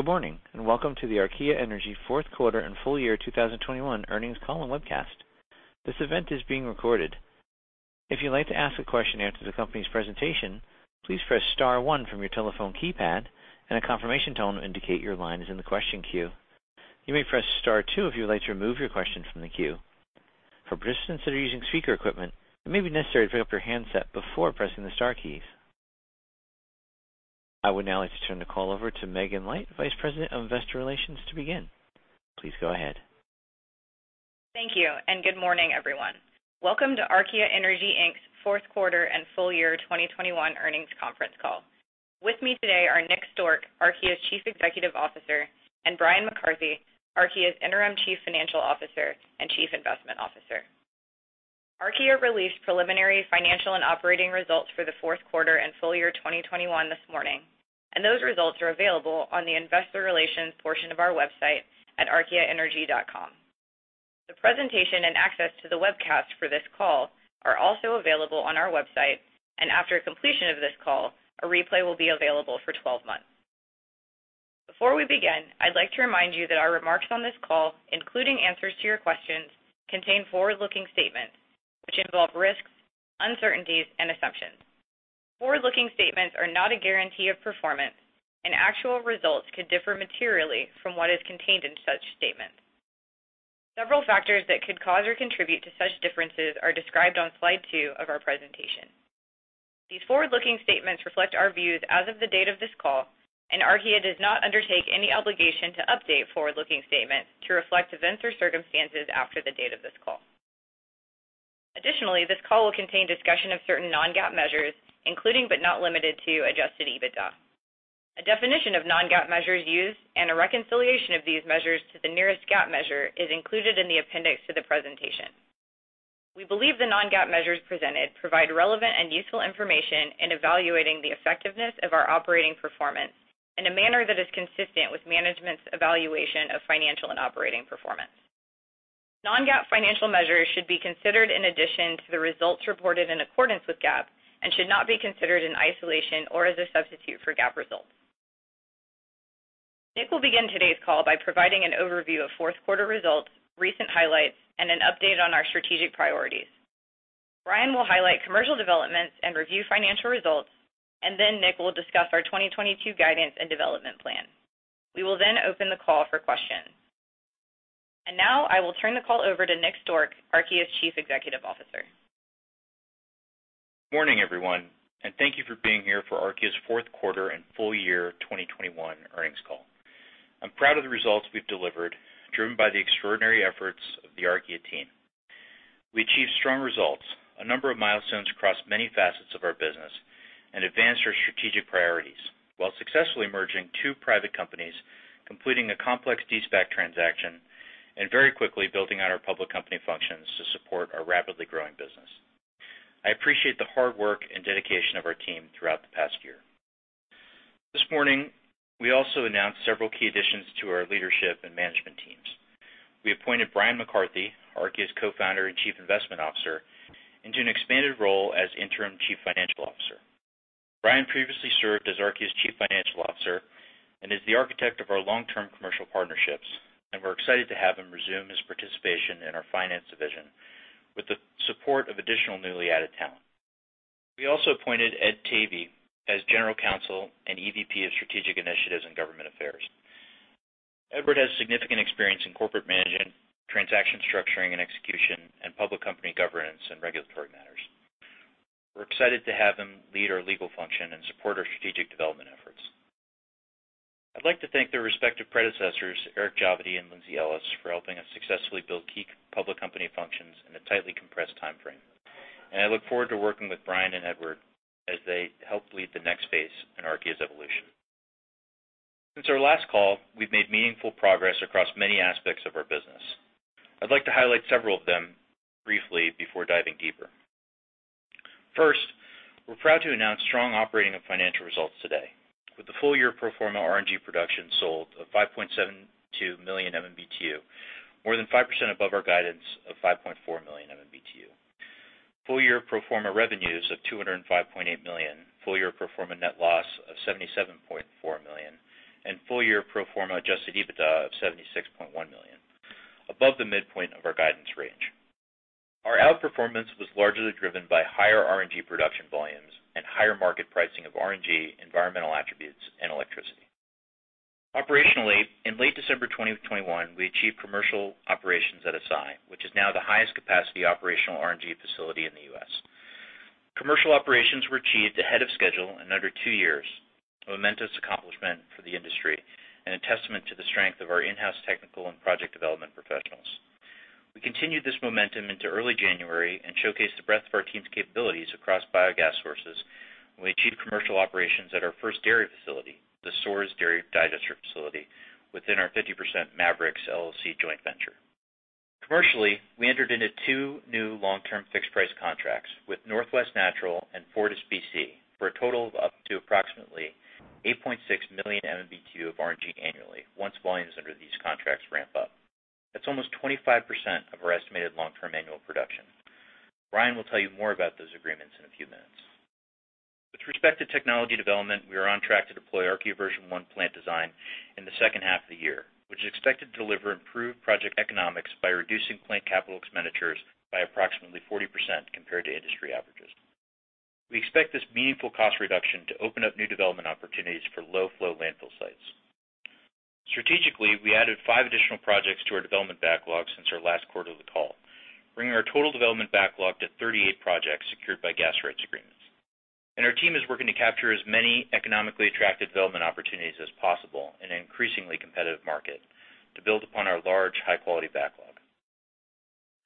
Good morning, and welcome to the Archaea Énergir fourth quarter and full year 2021 earnings call and webcast. This event is being recorded. If you'd like to ask a question after the company's presentation, please press star one from your telephone keypad, and a confirmation tone will indicate your line is in the question queue. You may press star two if you would like to remove your question from the queue. For participants that are using speaker equipment, it may be necessary to pick up your handset before pressing the star keys. I would now like to turn the call over to Megan Light, Vice President of Investor Relations, to begin. Please go ahead. Thank you, and good morning, everyone. Welcome to Archaea Energy Inc.'s fourth quarter and full year 2021 earnings conference call. With me today are Nick Stork, Archaea's Chief Executive Officer, and Brian McCarthy, Archaea's Interim Chief Financial Officer and Chief Investment Officer. Archaea released preliminary financial and operating results for the fourth quarter and full year 2021 this morning, and those results are available on the investor relations portion of our website at archaeaenergy.com. The presentation and access to the webcast for this call are also available on our website, and after completion of this call, a replay will be available for 12 months. Before we begin, I'd like to remind you that our remarks on this call, including answers to your questions, contain forward-looking statements which involve risks, uncertainties, and assumptions. Forward-looking statements are not a guarantee of performance and actual results could differ materially from what is contained in such statements. Several factors that could cause or contribute to such differences are described on slide two of our presentation. These forward-looking statements reflect our views as of the date of this call, and Archaea does not undertake any obligation to update forward-looking statements to reflect events or circumstances after the date of this call. Additionally, this call will contain discussion of certain non-GAAP measures, including, but not limited to, adjusted EBITDA. A definition of non-GAAP measures used and a reconciliation of these measures to the nearest GAAP measure is included in the appendix to the presentation. We believe the non-GAAP measures presented provide relevant and useful information in evaluating the effectiveness of our operating performance in a manner that is consistent with management's evaluation of financial and operating performance. Non-GAAP financial measures should be considered in addition to the results reported in accordance with GAAP and should not be considered in isolation or as a substitute for GAAP results. Nick will begin today's call by providing an overview of fourth quarter results, recent highlights, and an update on our strategic priorities. Brian will highlight commercial developments and review financial results, and then Nick will discuss our 2022 guidance and development plan. We will then open the call for questions. Now I will turn the call over to Nick Stork, Archaea's Chief Executive Officer. Morning, everyone, and thank you for being here for Archaea's fourth quarter and full year 2021 earnings call. I'm proud of the results we've delivered, driven by the extraordinary efforts of the Archaea team. We achieved strong results, a number of milestones across many facets of our business, and advanced our strategic priorities while successfully merging two private companies, completing a complex de-SPAC transaction, and very quickly building out our public company functions to support our rapidly growing business. I appreciate the hard work and dedication of our team throughout the past year. This morning, we also announced several key additions to our leadership and management teams. We appointed Brian McCarthy, Archaea's Co-Founder and Chief Investment Officer, into an expanded role as Interim Chief Financial Officer. Brian previously served as Archaea's Chief Financial Officer and is the architect of our long-term commercial partnerships, and we're excited to have him resume his participation in our finance division with the support of additional newly added talent. We also appointed Ed Tavey as General Counsel and EVP of Strategic Initiatives and Government Affairs. Ed has significant experience in corporate management, transaction structuring and execution, and public company governance and regulatory matters. We're excited to have him lead our legal function and support our strategic development efforts. I'd like to thank their respective predecessors, Eric Javidi and Lindsay Ellis, for helping us successfully build key public company functions in a tightly compressed timeframe, and I look forward to working with Brian and Ed as they help lead the next phase in Archaea's evolution. Since our last call, we've made meaningful progress across many aspects of our business. I'd like to highlight several of them briefly before diving deeper. First, we're proud to announce strong operating and financial results today, with the full year pro forma RNG production sold of 5.72 million MMBTU, more than 5% above our guidance of 5.4 million MMBTU. Full year pro forma revenues of $205.8 million, full year pro forma net loss of $77.4 million, and full year pro forma adjusted EBITDA of $76.1 million, above the midpoint of our guidance range. Our outperformance was largely driven by higher RNG production volumes and higher market pricing of RNG environmental attributes and electricity. Operationally, in late December 2021, we achieved commercial operations at ASAI, which is now the highest capacity operational RNG facility in the U.S. Commercial operations were achieved ahead of schedule in under two years, a momentous accomplishment for the industry and a testament to the strength of our in-house technical and project development professionals. We continued this momentum into early January and showcased the breadth of our team's capabilities across biogas sources. We achieved commercial operations at our first dairy facility, the Soares Dairy Digester Facility, within our 50% Mavrix, LLC joint venture. Commercially, we entered into two new long-term fixed-price contracts with Northwest Natural and FortisBC for a total of up to approximately 8.6 million MMBTU of RNG annually once volumes under these contracts ramp up. That's almost 25% of our estimated long-term annual production. Brian will tell you more about those agreements in a few minutes. With respect to technology development, we are on track to deploy V1 plant design in the second half of the year, which is expected to deliver improved project economics by reducing plant capital expenditures by approximately 40% compared to industry averages. We expect this meaningful cost reduction to open up new development opportunities for low flow landfill sites. Strategically, we added 5 additional projects to our development backlog since our last quarterly call, bringing our total development backlog to 38 projects secured by gas rights agreements. Our team is working to capture as many economically attractive development opportunities as possible in an increasingly competitive market to build upon our large, high quality backlog.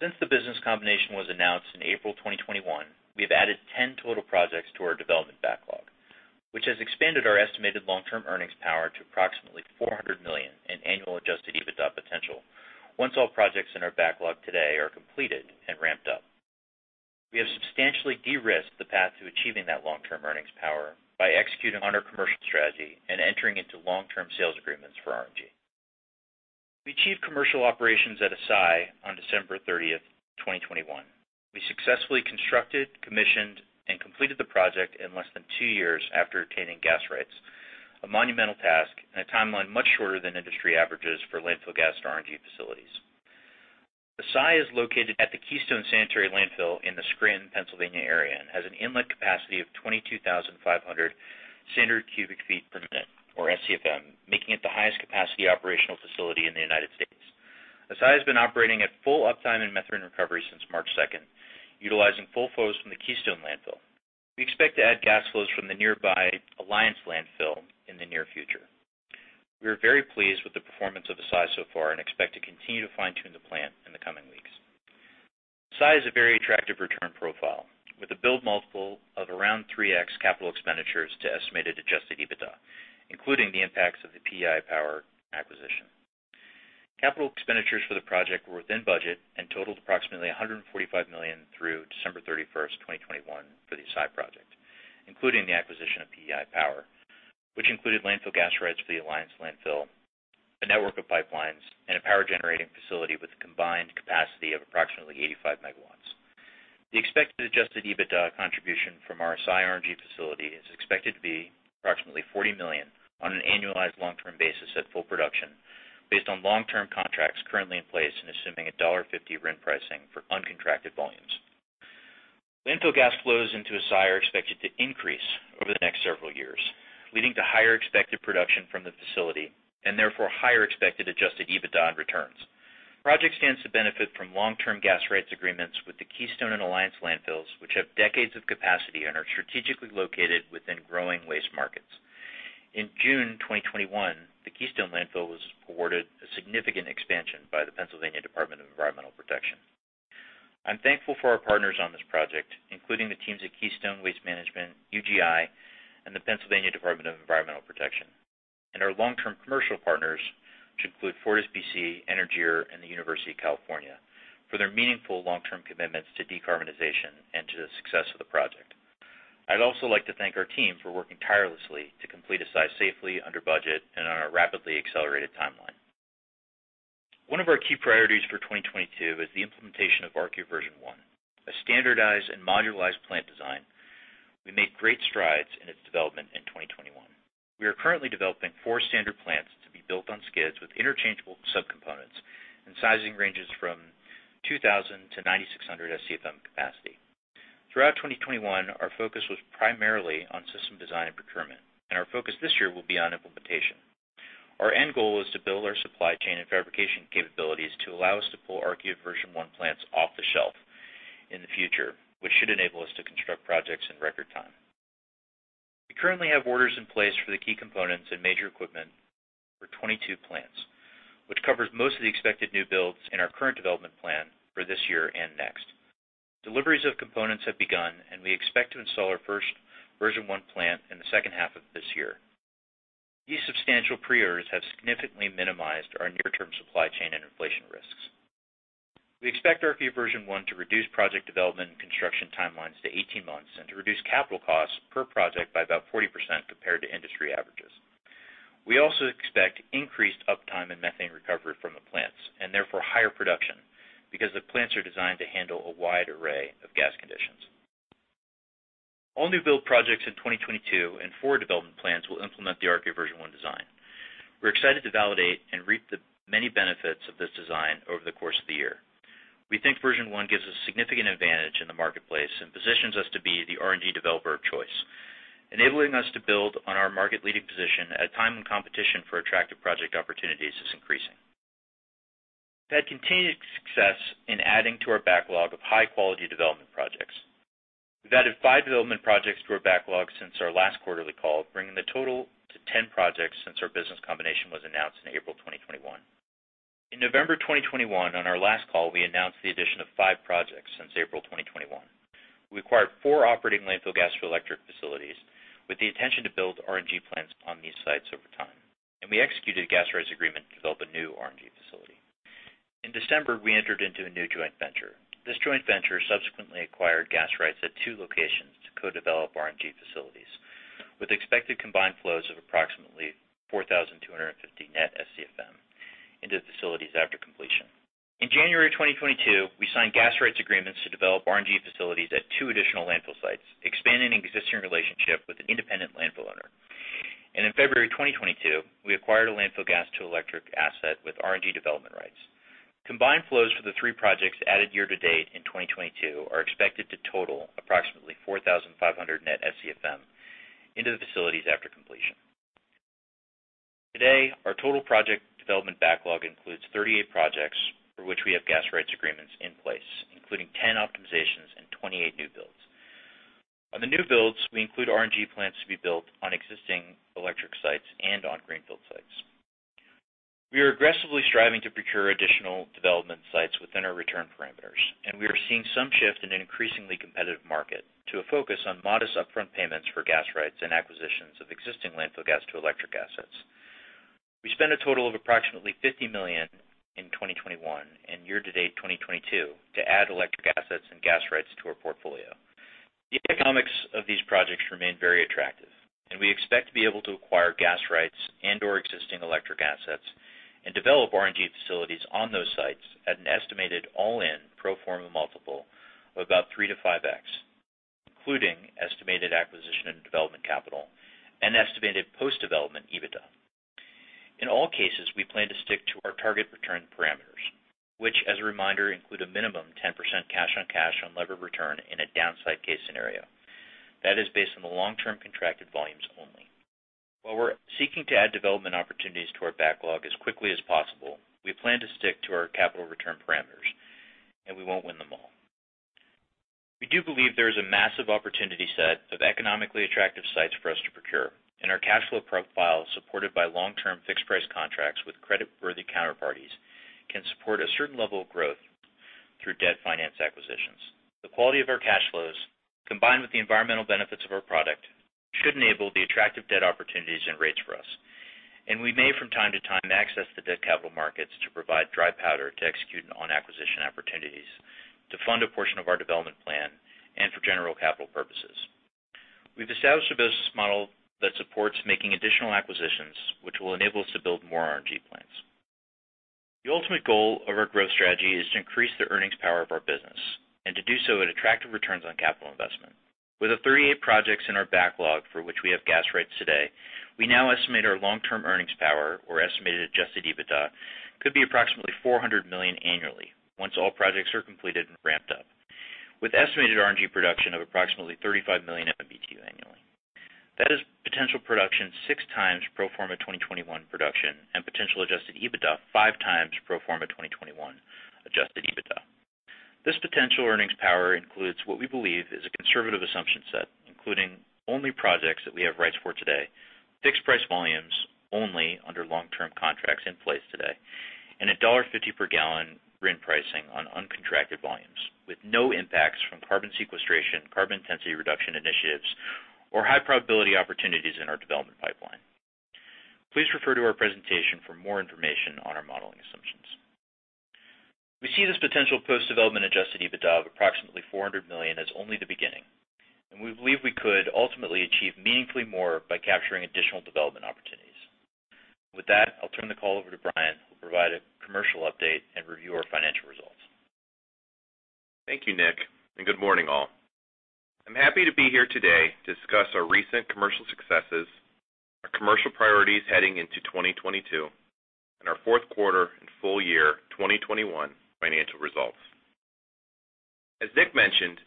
Since the business combination was announced in April 2021, we have added 10 total projects to our development backlog, which has expanded our estimated long term earnings power to approximately $400 million in annual Adjusted EBITDA potential once all projects in our backlog today are completed and ramped up. We have substantially de-risked the path to achieving that long term earnings power by executing on our commercial strategy and entering into long term sales agreements for RNG. We achieved commercial operations at Assai on December 30, 2021. We successfully constructed, commissioned, and completed the project in less than two years after obtaining gas rights, a monumental task and a timeline much shorter than industry averages for landfill gas RNG facilities. Assai is located at the Keystone Sanitary Landfill in the Scranton, Pennsylvania area, and has an inlet capacity of 22,500 standard cubic feet per minute, or SCFM, making it the highest capacity operational facility in the United States. Assai has been operating at full uptime and methane recovery since March second, utilizing full flows from the Keystone landfill. We expect to add gas flows from the nearby Alliance landfill in the near future. We are very pleased with the performance of Assai so far and expect to continue to fine tune the plant in the coming weeks. Assai is a very attractive return profile with a build multiple of around 3x capital expenditures to estimated adjusted EBITDA, including the impacts of the PEI Power acquisition. Capital expenditures for the project were within budget and totaled approximately $145 million through December 31, 2021 for the Assai project, including the acquisition of PEI Power, which included landfill gas rights for the Alliance landfill, a network of pipelines, and a power generating facility with a combined capacity of approximately 85 MW. The expected Adjusted EBITDA contribution from our Assai RNG facility is expected to be approximately $40 million on an annualized long-term basis at full production based on long-term contracts currently in place, and assuming a $1.50 RIN pricing for uncontracted volumes. Landfill gas flows into Assai are expected to increase over the next several years, leading to higher expected production from the facility and therefore higher expected Adjusted EBITDA on returns. Project stands to benefit from long-term gas rights agreements with the Keystone and Alliance landfills, which have decades of capacity and are strategically located within growing waste markets. In June 2021, the Keystone landfill was awarded a significant expansion by the Pennsylvania Department of Environmental Protection. I'm thankful for our partners on this project, including the teams at Keystone Waste Management, UGI, and the Pennsylvania Department of Environmental Protection, and our long-term commercial partners, which include FortisBC, Énergir, and the University of California, for their meaningful long-term commitments to decarbonization and to the success of the project. I'd also like to thank our team for working tirelessly to complete Assai safely, under budget, and on a rapidly accelerated timeline. One of our key priorities for 2022 is the implementation of V1, a standardized and modularized plant design. We made great strides in its development in 2021. We are currently developing four standard plants to be built on skids with interchangeable subcomponents and sizing ranges from 2,000 to 90,600 SCFM capacity. Throughout 2021, our focus was primarily on system design and procurement, and our focus this year will be on implementation. Our end goal is to build our supply chain and fabrication capabilities to allow us to pull V1 plants off the shelf in the future, which should enable us to construct projects in record time. We currently have orders in place for the key components and major equipment for 22 plants, which covers most of the expected new builds in our current development plan for this year and next. Deliveries of components have begun, and we expect to install our first version one plant in the second half of this year. These substantial pre-orders have significantly minimized our near term supply chain and inflation risks. We expect our version one to reduce project development and construction timelines to 18 months and to reduce capital costs per project by about 40% compared to industry averages. We also expect increased uptime and methane recovery from the plants, and therefore higher production because the plants are designed to handle a wide array of gas conditions. All new build projects in 2022 and forward development plans will implement the our version one design. We're excited to validate and reap the many benefits of this design over the course of the year. We think version one gives us significant advantage in the marketplace and positions us to be the RNG developer of choice, enabling us to build on our market leading position at a time when competition for attractive project opportunities is increasing. We've had continued success in adding to our backlog of high quality development projects. We've added 5 development projects to our backlog since our last quarterly call, bringing the total to 10 projects since our business combination was announced in April 2021. In November 2021, on our last call, we announced the addition of 5 projects since April 2021. We acquired 4 operating landfill gas for electric facilities with the intention to build RNG plants on these sites over time, and we executed a gas rights agreement to develop a new RNG facility. In December, we entered into a new joint venture. This joint venture subsequently acquired gas rights at two locations to co-develop RNG facilities with expected combined flows of approximately 4,250 net SCFM into the facilities after completion. In January 2022, we signed gas rights agreements to develop RNG facilities at two additional landfill sites, expanding an existing relationship with an independent landfill owner. In February 2022, we acquired a landfill gas to electric asset with RNG development rights. Combined flows for the three projects added year to date in 2022 are expected to total approximately 4,500 net SCFM into the facilities after completion. Today, our total project development backlog includes 38 projects for which we have gas rights agreements in place, including 10 optimizations and 28 new builds. On the new builds, we include RNG plants to be built on existing electric sites and on greenfield sites. We are aggressively striving to procure additional development sites within our return parameters, and we are seeing some shift in an increasingly competitive market to a focus on modest upfront payments for gas rights and acquisitions of existing landfill gas to electric assets. We spent a total of approximately $50 million in 2021 and year to date 2022 to add electric assets and gas rights to our portfolio. The economics of these projects remain very attractive, and we expect to be able to acquire gas rights and or existing electric assets and develop RNG facilities on those sites at an estimated all-in pro forma multiple of about 3x-5x, including estimated acquisition and development capital and estimated post-development EBITDA. In all cases, we plan to stick to our target return parameters, which as a reminder, include a minimum 10% cash on cash levered return in a downside case scenario. That is based on the long-term contracted volumes only. While we're seeking to add development opportunities to our backlog as quickly as possible, we plan to stick to our capital return parameters, and we won't win them all. We do believe there is a massive opportunity set of economically attractive sites for us to procure, and our cash flow profile, supported by long-term fixed-price contracts with credit-worthy counterparties, can support a certain level of growth through debt finance acquisitions. The quality of our cash flows, combined with the environmental benefits of our product, should enable the attractive debt opportunities and rates for us. We may from time to time access the debt capital markets to provide dry powder to execute on acquisition opportunities, to fund a portion of our development plan, and for general capital purposes. We've established a business model that supports making additional acquisitions, which will enable us to build more RNG plants. The ultimate goal of our growth strategy is to increase the earnings power of our business, and to do so at attractive returns on capital investment. With the 38 projects in our backlog for which we have gas rights today, we now estimate our long-term earnings power or estimated Adjusted EBITDA could be approximately $400 million annually once all projects are completed and ramped up, with estimated RNG production of approximately 35 million MMBTU annually. That is potential production 6x pro forma 2021 production and potential adjusted EBITDA 5x pro forma 2021 adjusted EBITDA. This potential earnings power includes what we believe is a conservative assumption set, including only projects that we have rights for today, fixed price volumes only under long-term contracts in place today, and a $1.50 per gallon RIN pricing on uncontracted volumes with no impacts from carbon sequestration, carbon intensity reduction initiatives, or high probability opportunities in our development pipeline. Please refer to our presentation for more information on our modeling assumptions. We see this potential post-development adjusted EBITDA of approximately $400 million as only the beginning, and we believe we could ultimately achieve meaningfully more by capturing additional development opportunities. With that, I'll turn the call over to Brian, who will provide a commercial update and review our financial results. Thank you, Nick, and good morning, all. I'm happy to be here today to discuss our recent commercial successes, our commercial priorities heading into 2022, and our fourth quarter and full year 2021 financial results. As Nick mentioned,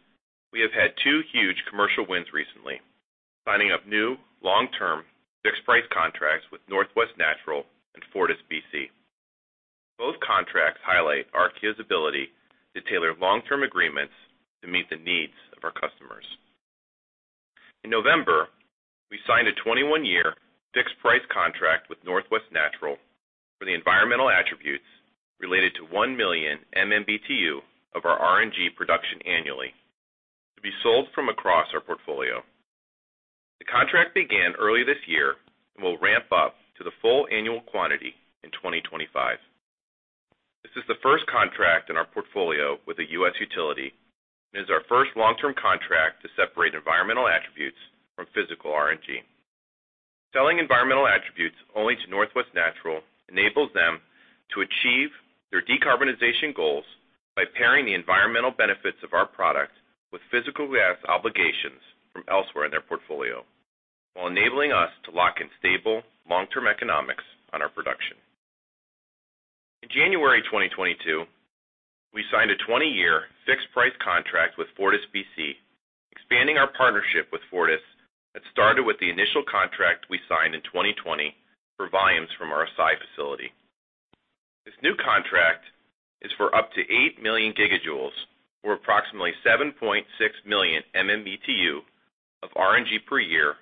we have had two huge commercial wins recently, signing up new long-term fixed price contracts with Northwest Natural and FortisBC. Both contracts highlight Archaea's ability to tailor long-term agreements to meet the needs of our customers. In November, we signed a 21-year fixed price contract with Northwest Natural for the environmental attributes related to 1 million MMBtu of our RNG production annually to be sold from across our portfolio. The contract began early this year and will ramp up to the full annual quantity in 2025. This is the first contract in our portfolio with a U.S. utility, and is our first long-term contract to separate environmental attributes from physical RNG. Selling environmental attributes only to Northwest Natural enables them to achieve their decarbonization goals by pairing the environmental benefits of our product with physical gas obligations from elsewhere in their portfolio, while enabling us to lock in stable, long-term economics on our production. In January 2022, we signed a 20-year fixed price contract with FortisBC, expanding our partnership with Fortis that started with the initial contract we signed in 2020 for volumes from our Assai facility. This new contract is for up to 8 million gigajoules or approximately 7.6 million MMBtu of RNG per year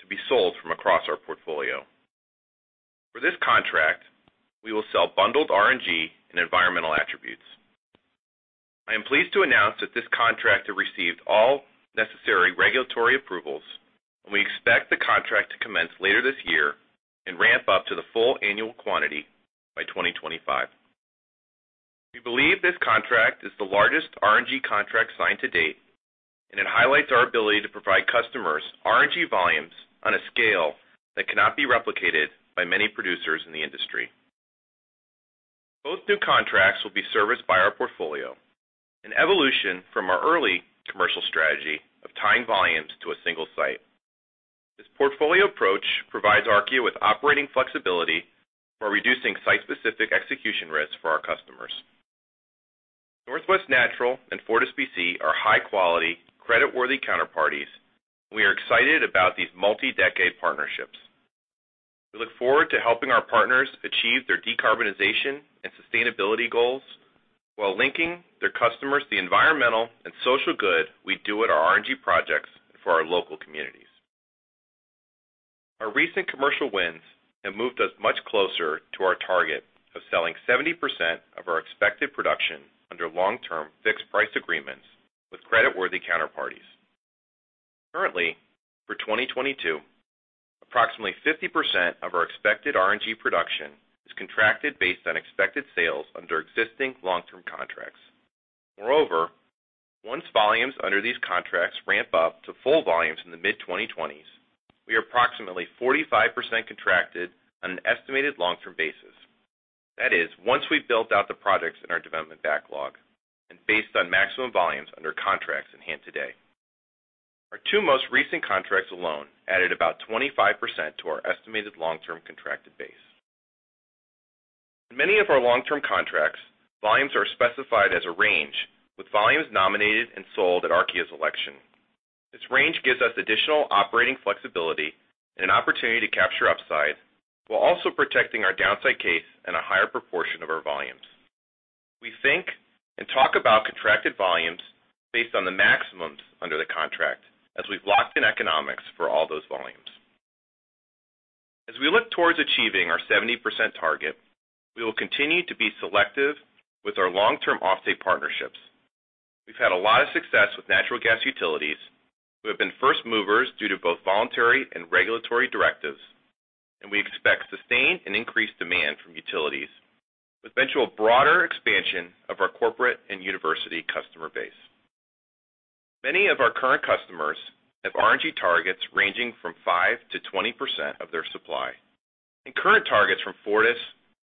to be sold from across our portfolio. For this contract, we will sell bundled RNG and environmental attributes. I am pleased to announce that this contract has received all necessary regulatory approvals, and we expect the contract to commence later this year and ramp up to the full annual quantity by 2025. We believe this contract is the largest RNG contract signed to date, and it highlights our ability to provide customers RNG volumes on a scale that cannot be replicated by many producers in the industry. Both new contracts will be serviced by our portfolio, an evolution from our early commercial strategy of tying volumes to a single site. This portfolio approach provides Archaea with operating flexibility while reducing site-specific execution risks for our customers. Northwest Natural and FortisBC are high-quality creditworthy counterparties. We are excited about these multi-decade partnerships. We look forward to helping our partners achieve their decarbonization and sustainability goals while linking their customers the environmental and social good we do at our RNG projects and for our local communities. Our recent commercial wins have moved us much closer to our target of selling 70% of our expected production under long-term fixed price agreements with creditworthy counterparties. Currently, for 2022, approximately 50% of our expected RNG production is contracted based on expected sales under existing long-term contracts. Moreover, once volumes under these contracts ramp up to full volumes in the mid-2020s, we are approximately 45% contracted on an estimated long-term basis. That is, once we've built out the projects in our development backlog and based on maximum volumes under contracts in hand today. Our two most recent contracts alone added about 25% to our estimated long-term contracted base. In many of our long-term contracts, volumes are specified as a range, with volumes nominated and sold at Archaea's election. This range gives us additional operating flexibility and an opportunity to capture upside while also protecting our downside case and a higher proportion of our volumes. We think and talk about contracted volumes based on the maximums under the contract as we've locked in economics for all those volumes. As we look towards achieving our 70% target, we will continue to be selective with our long-term offtake partnerships. We've had a lot of success with natural gas utilities who have been first movers due to both voluntary and regulatory directives, and we expect sustained and increased demand from utilities with eventual broader expansion of our corporate and university customer base. Many of our current customers have RNG targets ranging from 5%-20% of their supply. Current targets from FortisBC,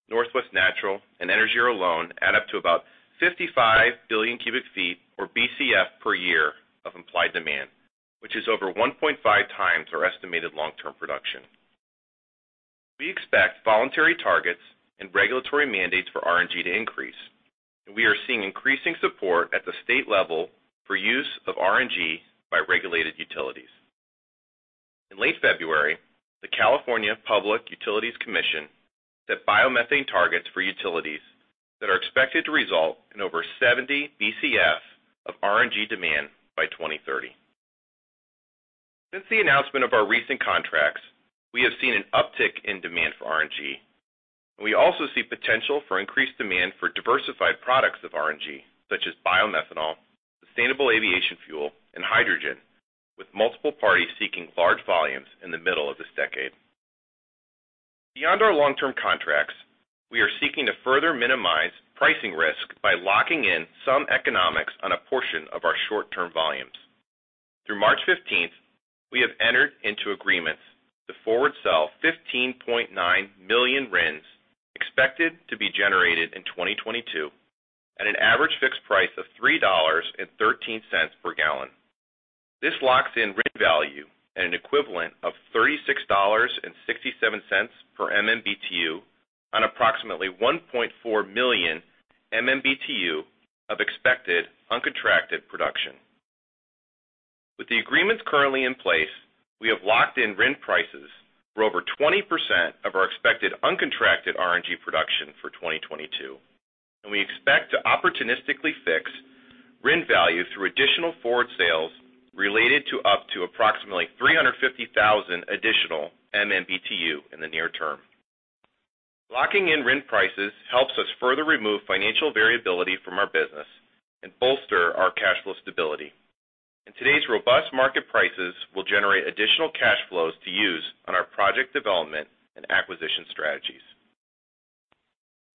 Northwest Natural, and Énergir alone add up to about 55 BCF per year of implied demand, which is over 1.5 times our estimated long-term production. We expect voluntary targets and regulatory mandates for RNG to increase, and we are seeing increasing support at the state level for use of RNG by regulated utilities. In late February, the California Public Utilities Commission set biomethane targets for utilities that are expected to result in over 70 BCF of RNG demand by 2030. Since the announcement of our recent contracts, we have seen an uptick in demand for RNG, and we also see potential for increased demand for diversified products of RNG, such as biomethanol, sustainable aviation fuel, and hydrogen, with multiple parties seeking large volumes in the middle of this decade. Beyond our long-term contracts, we are seeking to further minimize pricing risk by locking in some economics on a portion of our short-term volumes. Through March fifteenth, we have entered into agreements to forward sell 15.9 million RINs expected to be generated in 2022 at an average fixed price of $3.13 per gallon. This locks in RIN value at an equivalent of $36.67 per MMBtu on approximately 1.4 million MMBtu of expected uncontracted production. With the agreements currently in place, we have locked in RIN prices for over 20% of our expected uncontracted RNG production for 2022, and we expect to opportunistically fix RIN value through additional forward sales related to up to approximately 350,000 additional MMBtu in the near term. Locking in RIN prices helps us further remove financial variability from our business and bolster our cash flow stability. Today's robust market prices will generate additional cash flows to use on our project development and acquisition strategies.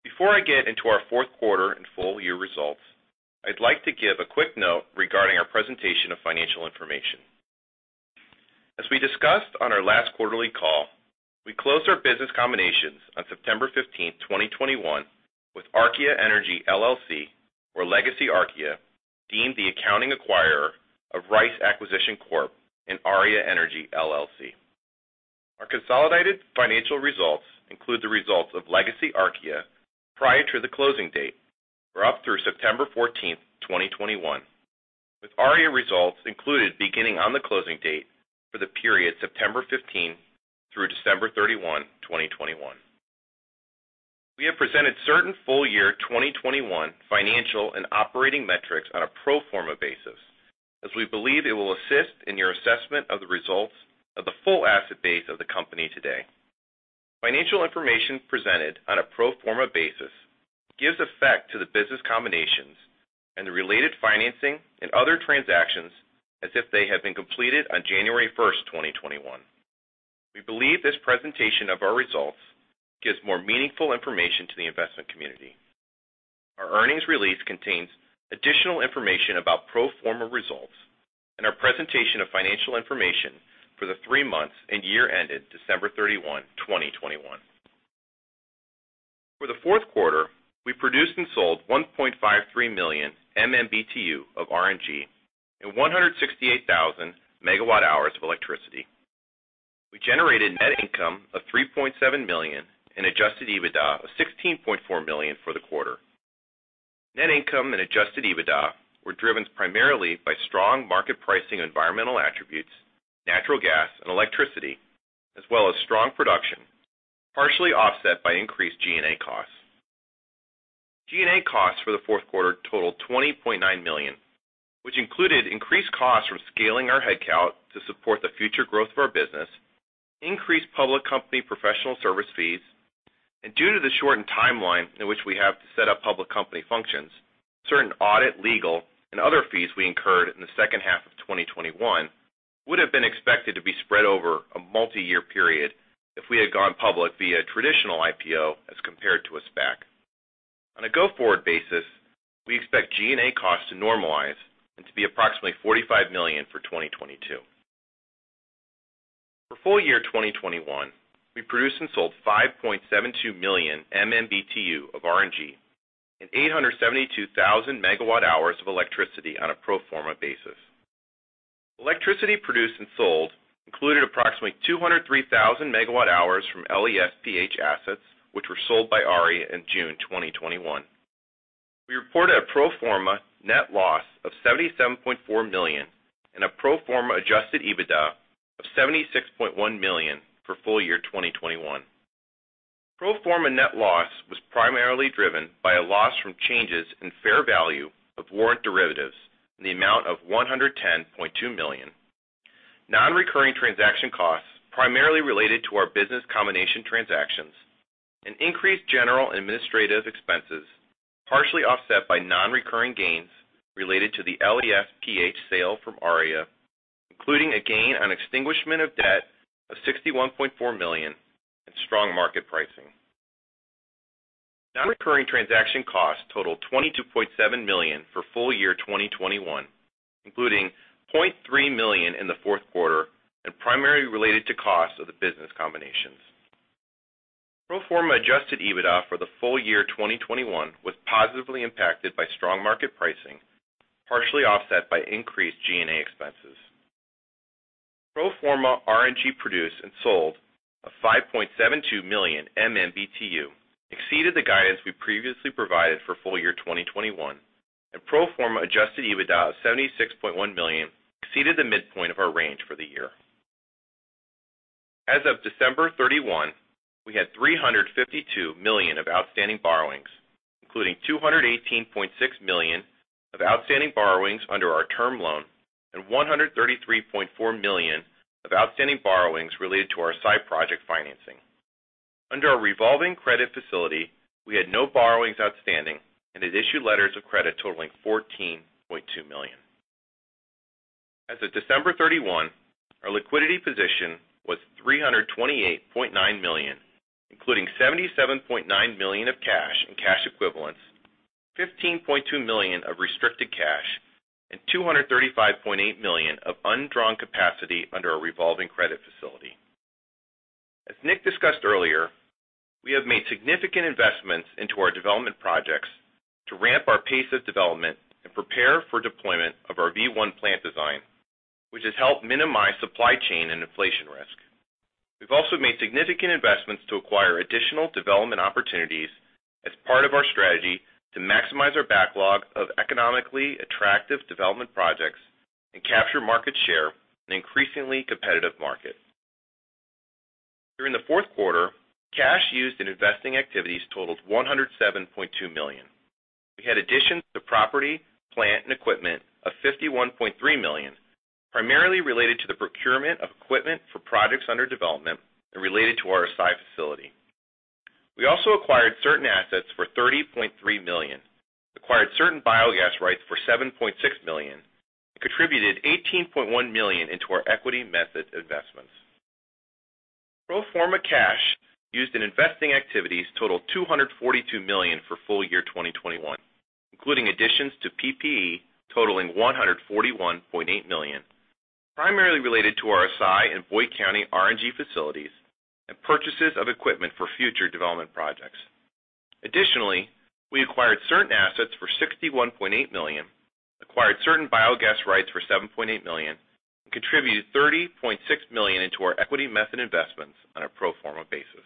Before I get into our fourth quarter and full year results, I'd like to give a quick note regarding our presentation of financial information. As we discussed on our last quarterly call, we closed our business combinations on September 15, 2021 with Archaea Energy LLC, where Legacy Archaea deemed the accounting acquirer of Rice Acquisition Corp and Aria Energy LLC. Our consolidated financial results include the results of Legacy Archaea prior to the closing date, or up through September 14, 2021, with Aria results included beginning on the closing date for the period September 15 through December 31, 2021. We have presented certain full year 2021 financial and operating metrics on a pro forma basis as we believe it will assist in your assessment of the results of the full asset base of the company today. Financial information presented on a pro forma basis gives effect to the business combinations and the related financing and other transactions as if they had been completed on January 1, 2021. We believe this presentation of our results gives more meaningful information to the investment community. Our earnings release contains additional information about pro forma results and our presentation of financial information for the three months and year ended December 31, 2021. For the fourth quarter, we produced and sold 1.53 million MMBtu of RNG and 168,000 megawatt-hours of electricity. We generated net income of $3.7 million and Adjusted EBITDA of $16.4 million for the quarter. Net income and Adjusted EBITDA were driven primarily by strong market pricing, environmental attributes, natural gas, and electricity, as well as strong production, partially offset by increased G&A costs. G&A costs for the fourth quarter totaled $20.9 million, which included increased costs from scaling our headcount to support the future growth of our business, increased public company professional service fees, and due to the shortened timeline in which we have to set up public company functions, certain audit, legal, and other fees we incurred in the second half of 2021 would have been expected to be spread over a multi-year period if we had gone public via traditional IPO as compared to a SPAC. On a go-forward basis, we expect G&A costs to normalize and to be approximately $45 million for 2022. For full year 2021, we produced and sold 5.72 million MMBtu of RNG and 872,000 megawatt-hours of electricity on a pro forma basis. Electricity produced and sold included approximately 203,000 megawatt-hours from LESPH assets, which were sold by Aria in June 2021. We reported a pro forma net loss of $77.4 million and a pro forma adjusted EBITDA of $76.1 million for full year 2021. Pro forma net loss was primarily driven by a loss from changes in fair value of warrant derivatives in the amount of $110.2 million. Non-recurring transaction costs primarily related to our business combination transactions, and increased general and administrative expenses, partially offset by non-recurring gains related to the LESPH sale from Aria, including a gain on extinguishment of debt of $61.4 million and strong market pricing. Non-recurring transaction costs totaled $22.7 million for full year 2021, including $0.3 million in the fourth quarter and primarily related to costs of the business combinations. Pro forma adjusted EBITDA for the full year 2021 was positively impacted by strong market pricing, partially offset by increased G&A expenses. Pro forma RNG produced and sold of 5.72 million MMBtu exceeded the guidance we previously provided for full year 2021, and pro forma adjusted EBITDA of $76.1 million exceeded the midpoint of our range for the year. As of December 31, we had $352 million of outstanding borrowings, including $218.6 million of outstanding borrowings under our term loan and $133.4 million of outstanding borrowings related to our site project financing. Under our revolving credit facility, we had no borrowings outstanding and had issued letters of credit totaling $14.2 million. As of December 31, our liquidity position was $328.9 million, including $77.9 million of cash and cash equivalents, $15.2 million of restricted cash, and $235.8 million of undrawn capacity under our revolving credit facility. As Nick discussed earlier, we have made significant investments into our development projects to ramp our pace of development and prepare for deployment of our V1 plant design, which has helped minimize supply chain and inflation risk. We've also made significant investments to acquire additional development opportunities as part of our strategy to maximize our backlog of economically attractive development projects and capture market share in an increasingly competitive market. During the fourth quarter, cash used in investing activities totaled $107.2 million. We had additions to property, plant, and equipment of $51.3 million, primarily related to the procurement of equipment for projects under development and related to our Assai facility. We also acquired certain assets for $30.3 million, acquired certain biogas rights for $7.6 million, and contributed $18.1 million into our equity method investments. Pro forma cash used in investing activities totaled $242 million for full year 2021, including additions to PPE totaling $141.8 million, primarily related to our ASAI and Boyd County RNG facilities and purchases of equipment for future development projects. Additionally, we acquired certain assets for $61.8 million, acquired certain biogas rights for $7.8 million, and contributed $30.6 million into our equity method investments on a pro forma basis.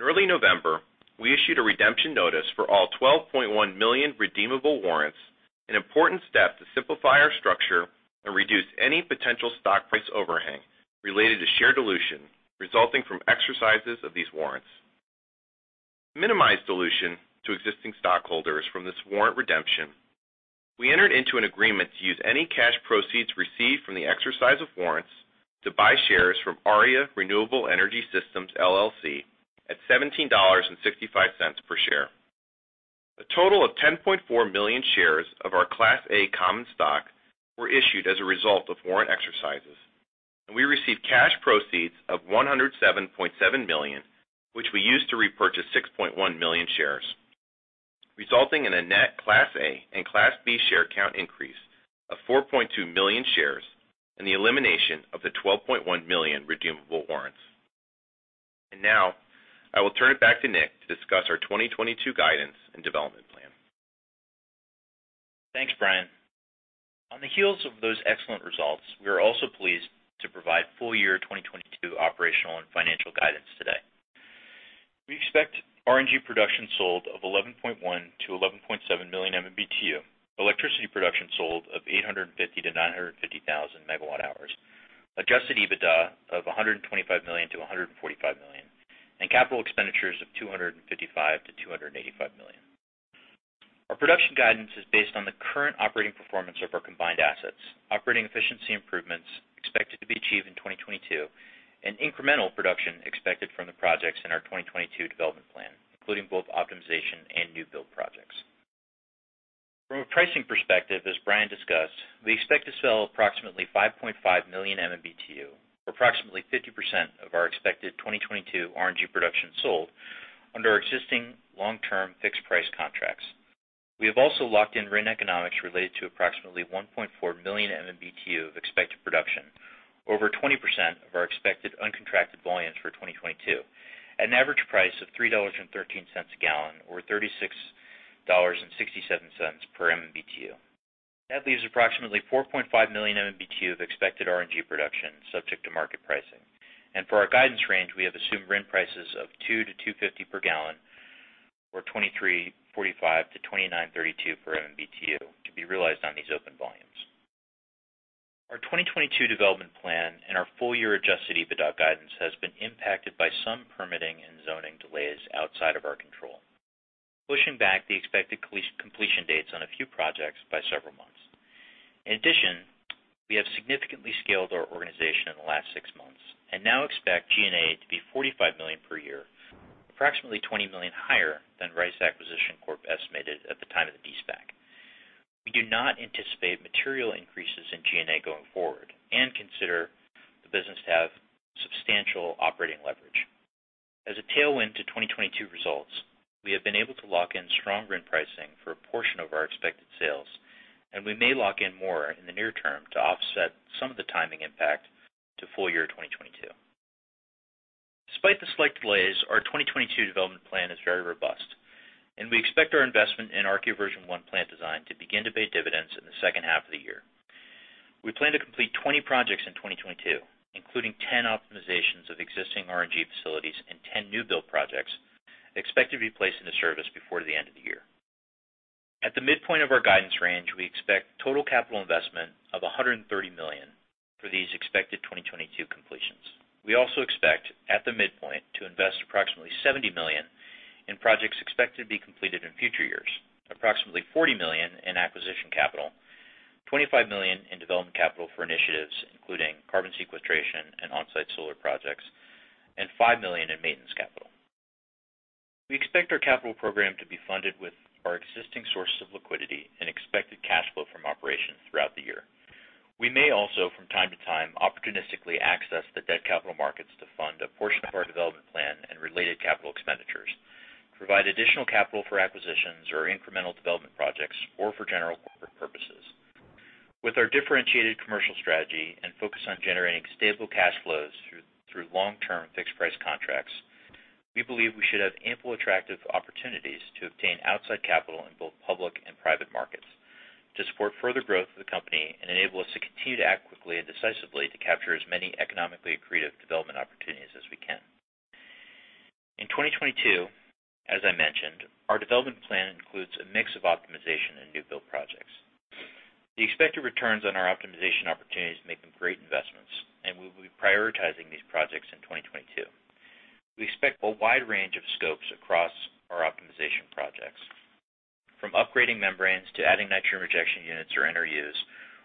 In early November, we issued a redemption notice for all 12.1 million redeemable warrants, an important step to simplify our structure and reduce any potential stock price overhang related to share dilution resulting from exercises of these warrants. To minimize dilution to existing stockholders from this warrant redemption, we entered into an agreement to use any cash proceeds received from the exercise of warrants to buy shares from Aria Renewable Energy Systems LLC at $17.65 per share. A total of 10.4 million shares of our Class A common stock were issued as a result of warrant exercises. We received cash proceeds of $107.7 million, which we used to repurchase 6.1 million shares, resulting in a net Class A and Class B share count increase of 4.2 million shares and the elimination of the 12.1 million redeemable warrants. Now I will turn it back to Nick to discuss our 2022 guidance and development plan. Thanks, Brian. On the heels of those excellent results, we are also pleased to provide full year 2022 operational and financial guidance today. We expect RNG production sold of 11.1-11.7 million MMBtu, electricity production sold of 850-950 thousand megawatt-hours, Adjusted EBITDA of $125 million-$145 million, and capital expenditures of $255 million-$285 million. Our production guidance is based on the current operating performance of our combined assets, operating efficiency improvements expected to be achieved in 2022, and incremental production expected from the projects in our 2022 development plan, including both optimization and new build projects. From a pricing perspective, as Brian discussed, we expect to sell approximately 5.5 million MMBtu, or approximately 50% of our expected 2022 RNG production sold under our existing long-term fixed price contracts. We have also locked in RIN economics related to approximately 1.4 million MMBtu of expected production, over 20% of our expected uncontracted volumes for 2022 at an average price of $3.13 per gallon, or $36.67 per MMBtu. That leaves approximately 4.5 million MMBtu of expected RNG production subject to market pricing. For our guidance range, we have assumed RIN prices of $2-$2.50 per gallon, or $23.45-$29.32 per MMBtu to be realized on these open volumes. Our 2022 development plan and our full year Adjusted EBITDA guidance has been impacted by some permitting and zoning delays outside of our control, pushing back the expected completion dates on a few projects by several months. In addition, we have significantly scaled our organization in the last 6 months and now expect G&A to be $45 million per year, approximately $20 million higher than Rice Acquisition Corp estimated at the time of the de-SPAC. We do not anticipate material increases in G&A going forward and consider the business to have substantial operating leverage. As a tailwind to 2022 results, we have been able to lock in stronger RIN pricing for a portion of our expected sales, and we may lock in more in the near term to offset some of the timing impact to full year 2022. Despite the slight delays, our 2022 development plan is very robust and we expect our investment in Archaea V1 plant design to begin to pay dividends in the second half of the year. We plan to complete 20 projects in 2022, including 10 optimizations of existing RNG facilities and 10 new build projects expected to be placed into service before the end of the year. At the midpoint of our guidance range, we expect total capital investment of $130 million for these expected 2022 completions. We also expect, at the midpoint, to invest approximately $70 million in projects expected to be completed in future years, approximately $40 million in acquisition capital, $25 million in development capital for initiatives including carbon sequestration and on-site solar projects, and $5 million in maintenance capital. We expect our capital program to be funded with our existing sources of liquidity and expected cash flow from operations throughout the year. We may also, from time to time, opportunistically access the debt capital markets to fund a portion of our development plan and related capital expenditures, provide additional capital for acquisitions or incremental development projects, or for general corporate purposes. With our differentiated commercial strategy and focus on generating stable cash flows through long-term fixed price contracts, we believe we should have ample attractive opportunities to obtain outside capital in both public and private markets to support further growth of the company and enable us to continue to act quickly and decisively to capture as many economically accretive development opportunities as we can. In 2022, as I mentioned, our development plan includes a mix of optimization and new build projects. The expected returns on our optimization opportunities make them great investments, and we'll be prioritizing these projects in 2022. We expect a wide range of scopes across our optimization projects, from upgrading membranes to adding nitrogen rejection units or NRUs,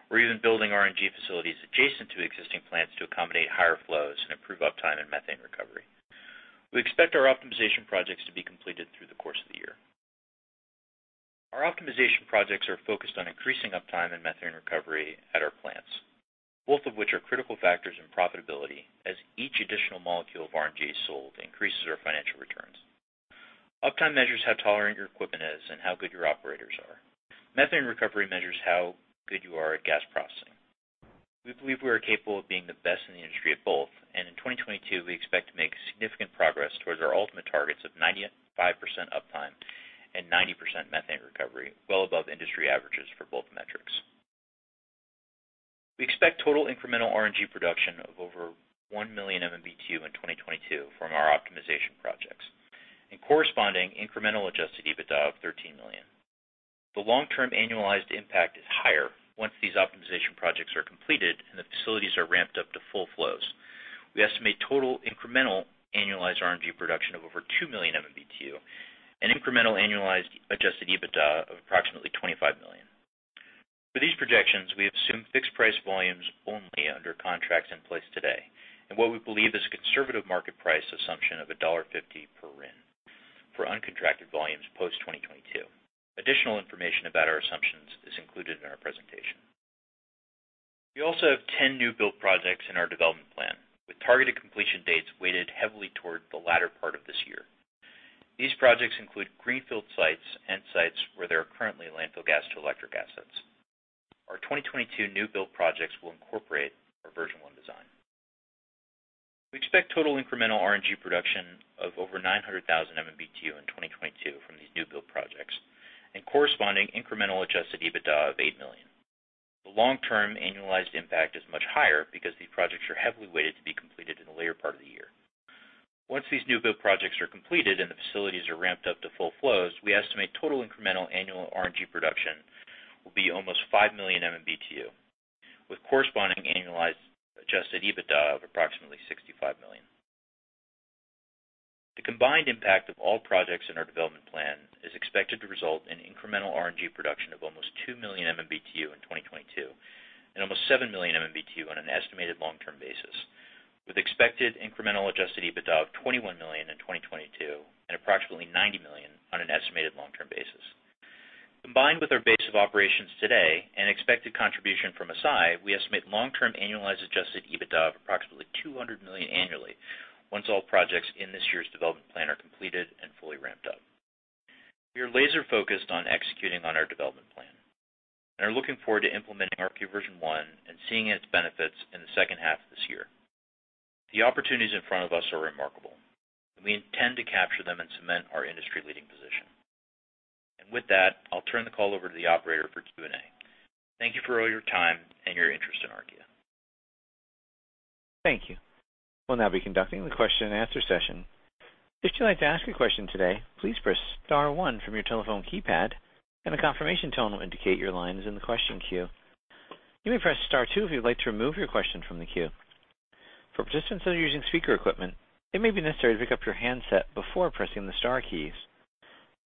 or even building RNG facilities adjacent to existing plants to accommodate higher flows and improve uptime and methane recovery. We expect our optimization projects to be completed through the course of the year. Our optimization projects are focused on increasing uptime and methane recovery at our plants, both of which are critical factors in profitability as each additional molecule of RNG sold increases our financial returns. Uptime measures how tolerant your equipment is and how good your operators are. Methane recovery measures how good you are at gas processing. We believe we are capable of being the best in the industry at both. In 2022 we expect to make significant progress towards our ultimate targets of 95% uptime and 90% methane recovery, well above industry averages for both metrics. We expect total incremental RNG production of over 1 million MMBtu in 2022 from our optimization projects, and corresponding incremental Adjusted EBITDA of $13 million. The long-term annualized impact is higher once these optimization projects are completed and the facilities are ramped up to full flows. We estimate total incremental annualized RNG production of over 2 million MMBtu and incremental annualized Adjusted EBITDA of approximately $25 million. Projections, we assume fixed price volumes only under contracts in place today and what we believe is conservative market price assumption of $1.50 per RIN for uncontracted volumes post-2022. Additional information about our assumptions is included in our presentation. We also have 10 new build projects in our development plan, with targeted completion dates weighted heavily toward the latter part of this year. These projects include greenfield sites and sites where there are currently landfill gas to electric assets. Our 2022 new build projects will incorporate our version 1 design. We expect total incremental RNG production of over 900,000 MMBtu in 2022 from these new build projects and corresponding incremental Adjusted EBITDA of $8 million. The long term annualized impact is much higher because these projects are heavily weighted to be completed in the later part of the year. Once these new build projects are completed and the facilities are ramped up to full flows, we estimate total incremental annual RNG production will be almost 5 million MMBtu, with corresponding annualized Adjusted EBITDA of approximately $65 million. The combined impact of all projects in our development plan is expected to result in incremental RNG production of almost 2 million MMBtu in 2022 and almost 7 million MMBtu on an estimated long-term basis, with expected incremental Adjusted EBITDA of $21 million in 2022 and approximately $90 million on an estimated long-term basis. Combined with our base of operations today and expected contribution from Assai, we estimate long-term annualized Adjusted EBITDA of approximately $200 million annually once all projects in this year's development plan are completed and fully ramped up. We are laser-focused on executing on our development plan and are looking forward to implementing V1 and seeing its benefits in the second half of this year. The opportunities in front of us are remarkable, and we intend to capture them and cement our industry-leading position. With that, I'll turn the call over to the operator for Q&A. Thank you for all your time and your interest in Archaea. Thank you. We'll now be conducting the question and answer session. If you'd like to ask a question today, please press star one from your telephone keypad and a confirmation tone will indicate your line is in the question queue. You may press star two if you'd like to remove your question from the queue. For participants that are using speaker equipment, it may be necessary to pick up your handset before pressing the star keys.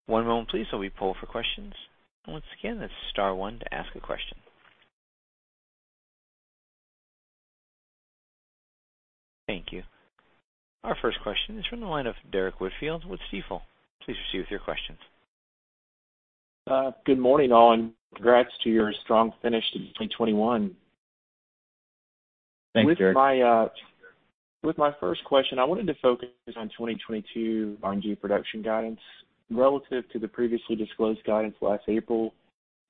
One moment please while we poll for questions. Once again, that's star one to ask a question. Thank you. Our first question is from the line of Derrick Whitfield with Stifel. Please proceed with your questions. Good morning, all, and congrats to your strong finish to 2021. Thanks, Derrick. With my first question, I wanted to focus on 2022 RNG production guidance. Relative to the previously disclosed guidance last April,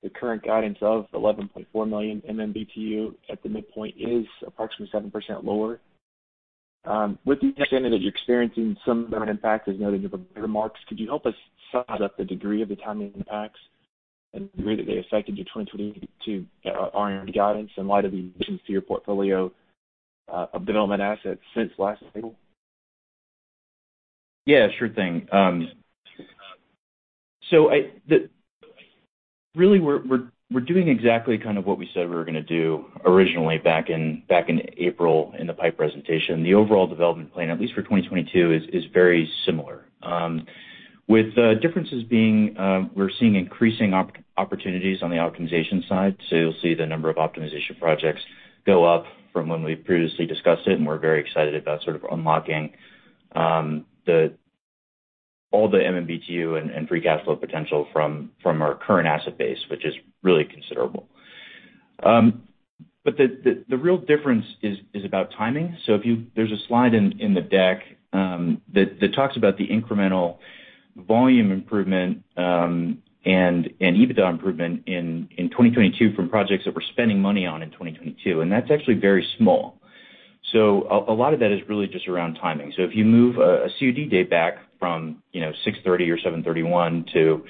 the current guidance of 11.4 million MMBtu at the midpoint is approximately 7% lower. With the understanding that you're experiencing some of impact, as noted in the remarks, could you help us size up the degree of the timing impacts and the degree that they affected your 2022 RNG guidance in light of the additions to your portfolio of development assets since last April? Yeah, sure thing. So really we're doing exactly kind of what we said we were gonna do originally back in April in the PIPE presentation. The overall development plan, at least for 2022, is very similar. With the differences being, we're seeing increasing opportunities on the optimization side. You'll see the number of optimization projects go up from when we previously discussed it. We're very excited about sort of unlocking all the MMBtu and free gas flow potential from our current asset base, which is really considerable. The real difference is about timing. There's a slide in the deck that talks about the incremental volume improvement and EBITDA improvement in 2022 from projects that we're spending money on in 2022, and that's actually very small. A lot of that is really just around timing. If you move a COD date back from, you know, 6/30 or 7/31 to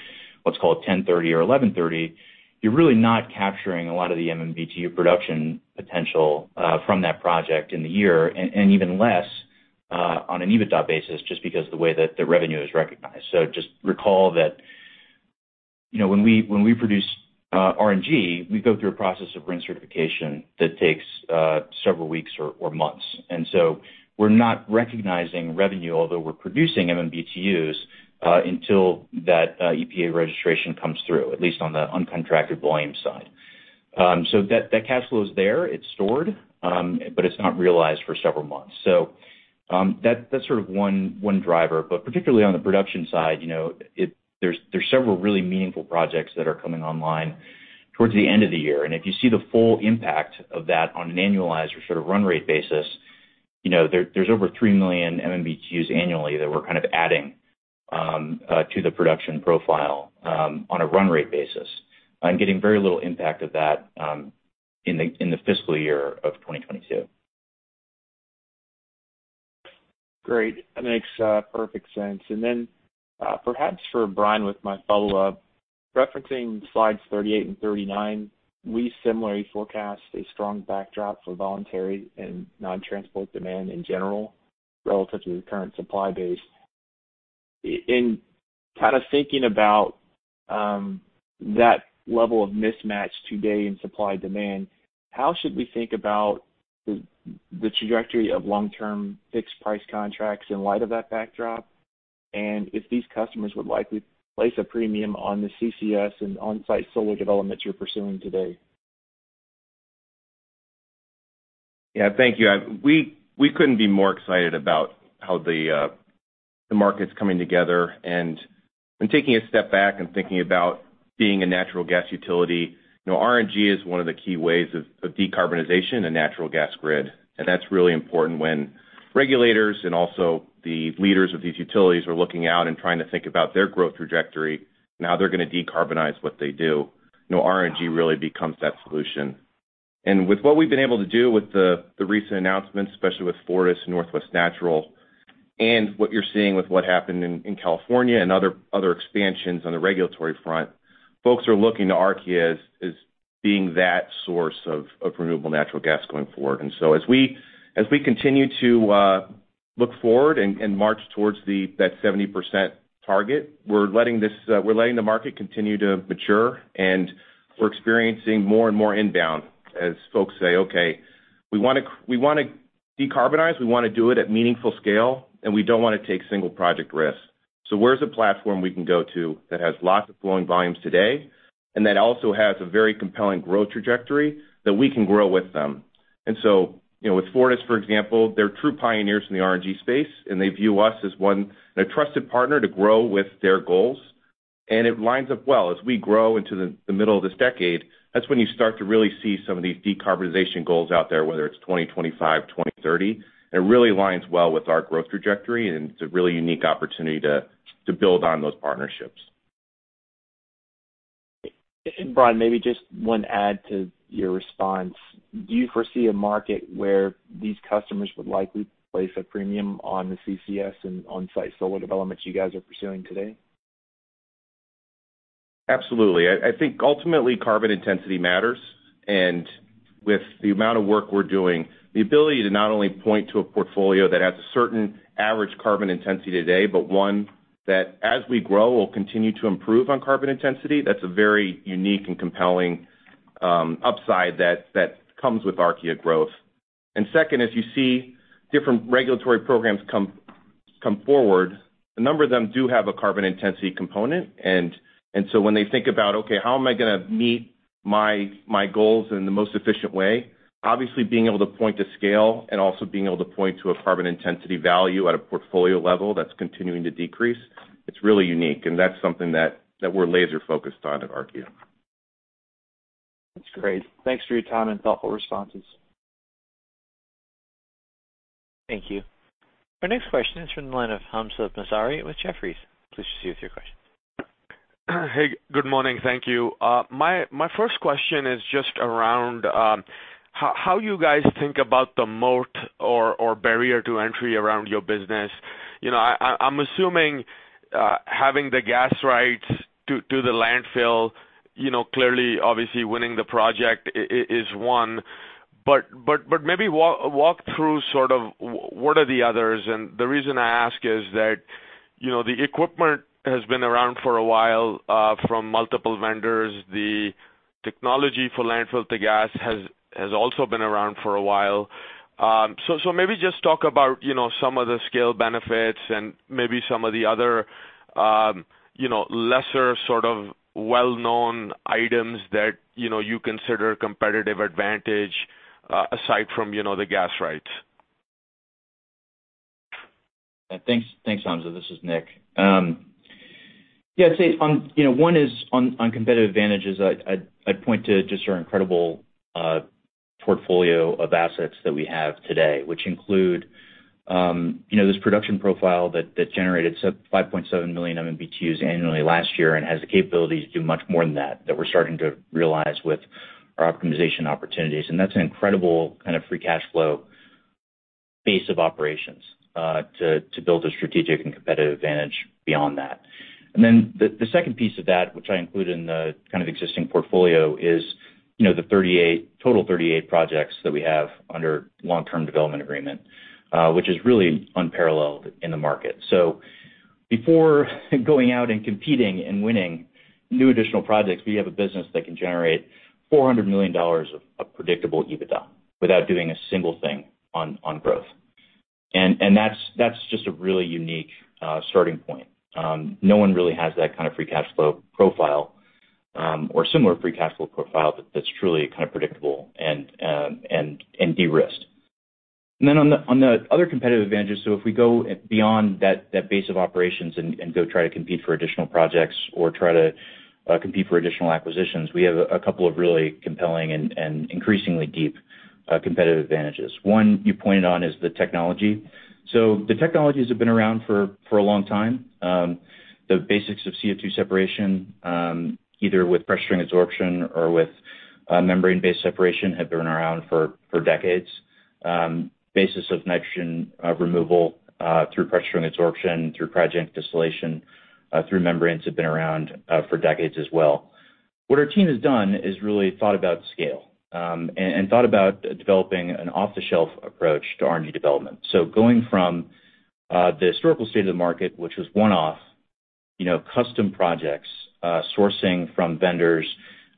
what's called 10/30 or 11/30, you're really not capturing a lot of the MMBtu production potential from that project in the year and even less on an EBITDA basis, just because the way that the revenue is recognized. Just recall that, you know, when we produce RNG, we go through a process of RIN certification that takes several weeks or months. We're not recognizing revenue, although we're producing MMBtus until that EPA registration comes through, at least on the uncontracted volume side. That cash flow is there, it's stored, but it's not realized for several months. That's sort of one driver. Particularly on the production side, you know, there's several really meaningful projects that are coming online towards the end of the year. If you see the full impact of that on an annualized or sort of run rate basis, you know, there's over 3 million MMBtus annually that we're kind of adding to the production profile on a run rate basis and getting very little impact of that in the fiscal year of 2022. Great. That makes perfect sense. Then perhaps for Brian with my follow-up. Referencing slides 38 and 39, we similarly forecast a strong backdrop for voluntary and non-transport demand in general relative to the current supply base. In kind of thinking about that level of mismatch today in supply demand, how should we think about the trajectory of long-term fixed price contracts in light of that backdrop? If these customers would likely place a premium on the CCS and on-site solar developments you're pursuing today. Yeah. Thank you. We couldn't be more excited about how the market's coming together. Taking a step back and thinking about being a natural gas utility, you know, RNG is one of the key ways of decarbonization in natural gas grid. That's really important when regulators and also the leaders of these utilities are looking out and trying to think about their growth trajectory and how they're gonna decarbonize what they do. You know, RNG really becomes that solution. With what we've been able to do with the recent announcements, especially with FortisBC, Northwest Natural, and what you're seeing with what happened in California and other expansions on the regulatory front, folks are looking to Archaea as being that source of renewable natural gas going forward. As we continue to look forward and march towards that 70% target, we're letting the market continue to mature, and we're experiencing more and more inbound as folks say, "Okay, we wanna decarbonize, we wanna do it at meaningful scale, and we don't wanna take single project risks. So where's a platform we can go to that has lots of flowing volumes today, and that also has a very compelling growth trajectory that we can grow with them?" You know, with FortisBC, for example, they're true pioneers in the RNG space, and they view us as one the trusted partner to grow with their goals. It lines up well. As we grow into the middle of this decade, that's when you start to really see some of these decarbonization goals out there, whether it's 2025, 2030. It really aligns well with our growth trajectory, and it's a really unique opportunity to build on those partnerships. Brian, maybe just one add to your response. Do you foresee a market where these customers would likely place a premium on the CCS and on-site solar developments you guys are pursuing today? Absolutely. I think ultimately, carbon intensity matters. With the amount of work we're doing, the ability to not only point to a portfolio that has a certain average carbon intensity today, but one that, as we grow, will continue to improve on carbon intensity, that's a very unique and compelling upside that comes with Archaea growth. Second, as you see different regulatory programs come forward, a number of them do have a carbon intensity component. When they think about, okay, how am I gonna meet my goals in the most efficient way, obviously being able to point to scale and also being able to point to a carbon intensity value at a portfolio level that's continuing to decrease, it's really unique, and that's something that we're laser-focused on at Archaea. That's great. Thanks for your time and thoughtful responses. Thank you. Our next question is from the line of Hamzah Mazari with Jefferies. Please proceed with your question. Hey, good morning. Thank you. My first question is just around how you guys think about the moat or barrier to entry around your business. You know, I'm assuming having the gas rights to the landfill, you know, clearly, obviously winning the project is one, but maybe walk through sort of what are the others. The reason I ask is that, you know, the equipment has been around for a while from multiple vendors. The technology for landfill gas has also been around for a while. So maybe just talk about, you know, some of the scale benefits and maybe some of the other, you know, lesser sort of well-known items that, you know, you consider competitive advantage aside from, you know, the gas rights. Thanks, Hamza. This is Nick. Yeah, I'd say on competitive advantages, I'd point to just our incredible portfolio of assets that we have today, which include you know, this production profile that generated 5.7 million MMBTU annually last year and has the capability to do much more than that we're starting to realize with our optimization opportunities. That's an incredible kind of free cash flow base of operations to build a strategic and competitive advantage beyond that. Then the second piece of that, which I include in the kind of existing portfolio is you know, the total 38 projects that we have under long-term development agreement, which is really unparalleled in the market. Before going out and competing and winning new additional projects, we have a business that can generate $400 million of predictable EBITDA without doing a single thing on growth. That's just a really unique starting point. No one really has that kind of free cash flow profile or similar free cash flow profile that's truly kind of predictable and de-risked. Then on the other competitive advantages, if we go beyond that base of operations and go try to compete for additional projects or try to compete for additional acquisitions, we have a couple of really compelling and increasingly deep competitive advantages. One you pointed out is the technology. The technologies have been around for a long time. The basics of CO2 separation, either with pressure absorption or with membrane-based separation, have been around for decades. The basis of nitrogen removal through pressure absorption, through cryogenic distillation, through membranes have been around for decades as well. What our team has done is really thought about scale and thought about developing an off-the-shelf approach to RNG development. Going from the historical state of the market, which was one-off, you know, custom projects, sourcing from vendors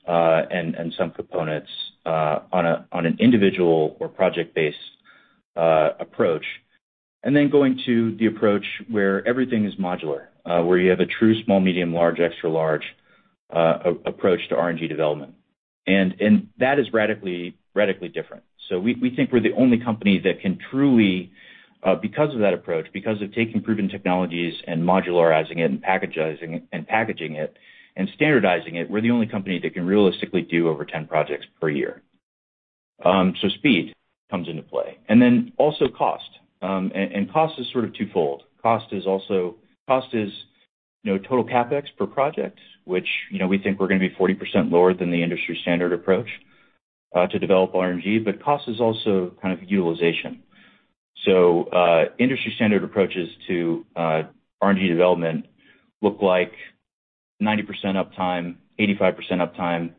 and some components on an individual or project-based approach. That is radically different. We think we're the only company that can truly, because of that approach, because of taking proven technologies and modularizing it and packaging it and standardizing it, we're the only company that can realistically do over 10 projects per year. Speed comes into play, and then also cost. Cost is sort of twofold. Cost is, you know, total CapEx per project, which, you know, we think we're gonna be 40% lower than the industry standard approach to develop RNG, but cost is also kind of utilization. Industry standard approaches to RNG development look like 90% uptime, 85% uptime,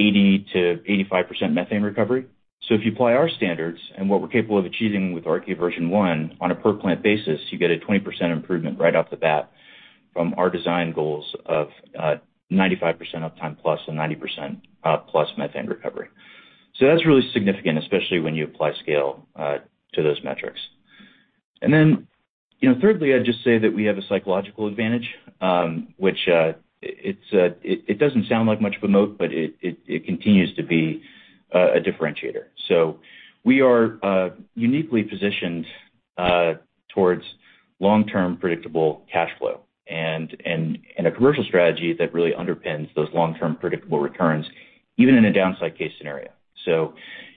80%-85% methane recovery. If you apply our standards and what we're capable of achieving with Archaea version one on a per plant basis, you get a 20% improvement right off the bat from our design goals of 95% uptime plus and 90% plus methane recovery. That's really significant, especially when you apply scale to those metrics. Then, you know, thirdly, I'd just say that we have a psychological advantage, which it doesn't sound like much remotely, but it continues to be a differentiator. We are uniquely positioned towards long-term predictable cashflow and a commercial strategy that really underpins those long-term predictable returns, even in a downside case scenario.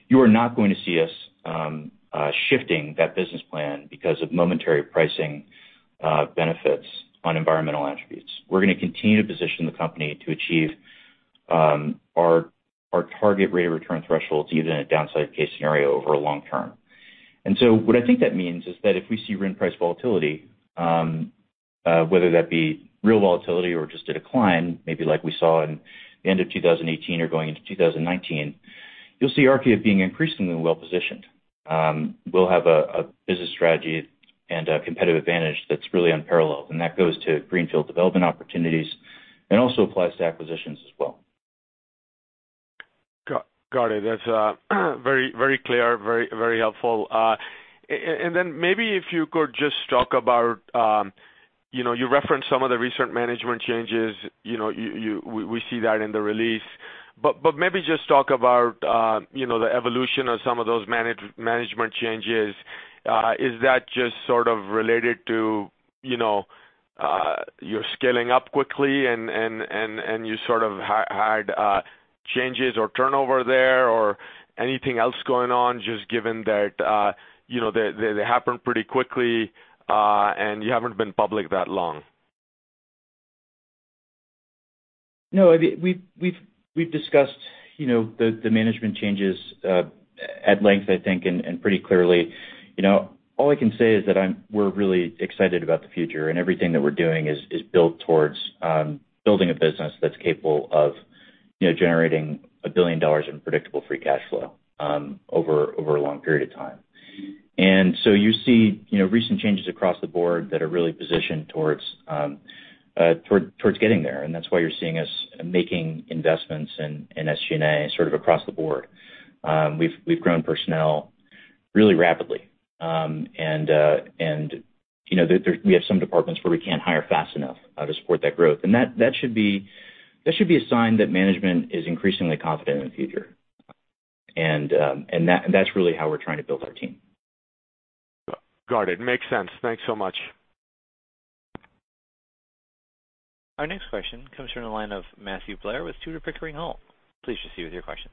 You are not going to see us shifting that business plan because of momentary pricing benefits on environmental attributes. We're gonna continue to position the company to achieve our target rate of return thresholds, even in a downside case scenario over long term. What I think that means is that if we see RIN price volatility, whether that be real volatility or just a decline, maybe like we saw in the end of 2018 or going into 2019, you'll see Archaea being increasingly well-positioned. We'll have a business strategy and a competitive advantage that's really unparalleled, and that goes to greenfield development opportunities and also applies to acquisitions as well. Got it. That's very, very clear. Very, very helpful. And then maybe if you could just talk about you know, you referenced some of the recent management changes. You know, we see that in the release. But maybe just talk about you know, the evolution of some of those management changes. Is that just sort of related to you know, you're scaling up quickly and you sort of had changes or turnover there, or anything else going on, just given that you know, they happen pretty quickly and you haven't been public that long? No, we've discussed, you know, the management changes at length, I think, and pretty clearly. You know, all I can say is that we're really excited about the future, and everything that we're doing is built towards building a business that's capable of, you know, generating $1 billion in predictable free cash flow over a long period of time. You see, you know, recent changes across the board that are really positioned towards getting there. That's why you're seeing us making investments in SG&A sort of across the board. We've grown personnel really rapidly. You know, we have some departments where we can't hire fast enough to support that growth. that should be a sign that management is increasingly confident in the future. That's really how we're trying to build our team. Got it. Makes sense. Thanks so much. Our next question comes from the line of Matthew Blair with Tudor, Pickering, Holt & Co. Please proceed with your question.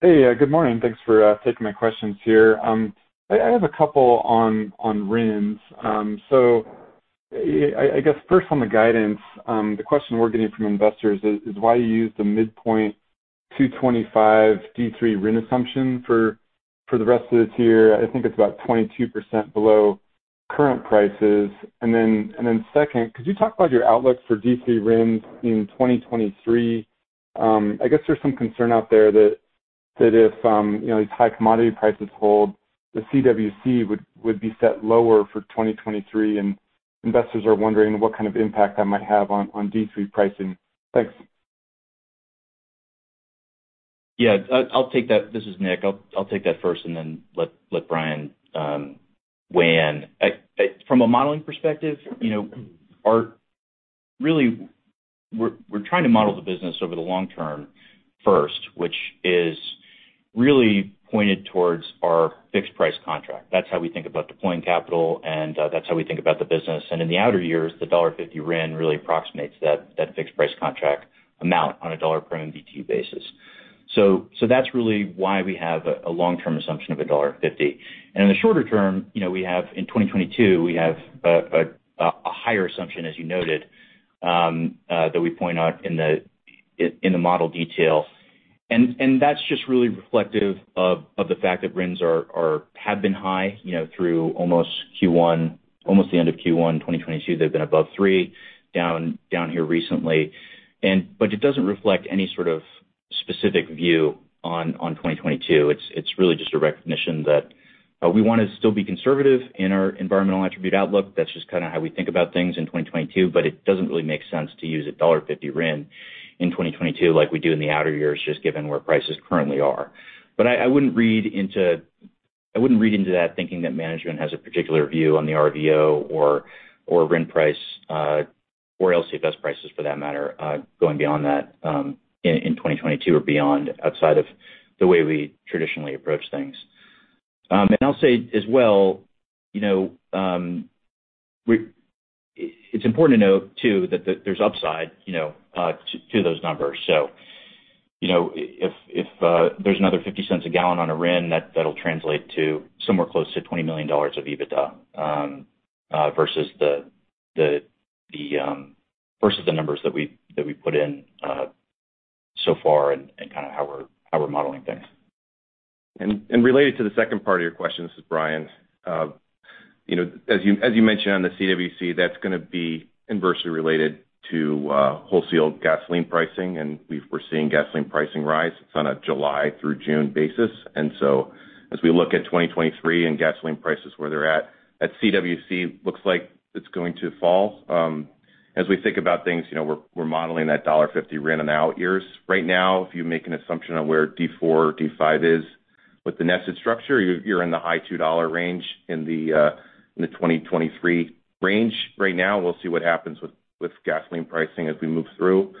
Hey. Good morning. Thanks for taking my questions here. I have a couple on RINs. So I guess first on the guidance, the question we're getting from investors is why you use the midpoint 225 D3 RIN assumption for the rest of this year. I think it's about 22% below current prices. Then second, could you talk about your outlook for D3 RINs in 2023? I guess there's some concern out there that if you know these high commodity prices hold, the CWC would be set lower for 2023, and investors are wondering what kind of impact that might have on D3 pricing. Thanks. Yeah. I'll take that. This is Nick. I'll take that first and then let Brian weigh in. From a modeling perspective, you know, really, we're trying to model the business over the long term first, which is really pointed towards our fixed price contract. That's how we think about deploying capital, and that's how we think about the business. In the outer years, the $1.50 RIN really approximates that fixed price contract amount on a dollar per MMBTU basis. So that's really why we have a long-term assumption of $1.50. In the shorter term, you know, we have in 2022, we have a higher assumption, as you noted, that we point out in the model detail. That's just really reflective of the fact that RINs have been high, you know, through almost Q1, almost the end of Q1, 2022. They've been above 3 down here recently. But it doesn't reflect any sort of specific view on 2022. It's really just a recognition that we wanna still be conservative in our environmental attribute outlook. That's just kinda how we think about things in 2022, but it doesn't really make sense to use a $1.50 RIN in 2022 like we do in the outer years, just given where prices currently are. I wouldn't read into that thinking that management has a particular view on the RVO or RIN price or LCFS prices for that matter going beyond that in 2022 or beyond outside of the way we traditionally approach things. I'll say as well, you know, it's important to note too that there's upside, you know, to those numbers. You know, if there's another $0.50 a gallon on a RIN, that'll translate to somewhere close to $20 million of EBITDA versus the numbers that we put in so far and kinda how we're modeling things. Related to the second part of your question, this is Brian. You know, as you mentioned on the CWC, that's gonna be inversely related to wholesale gasoline pricing, and we're seeing gasoline pricing rise. It's on a July through June basis. As we look at 2023 and gasoline prices where they're at, that CWC looks like it's going to fall. As we think about things, you know, we're modeling that $1.50 RIN in the out years. Right now, if you make an assumption on where D4, D5 is with the nested structure, you're in the high $2 range in the 2023 range right now. We'll see what happens with gasoline pricing as we move through.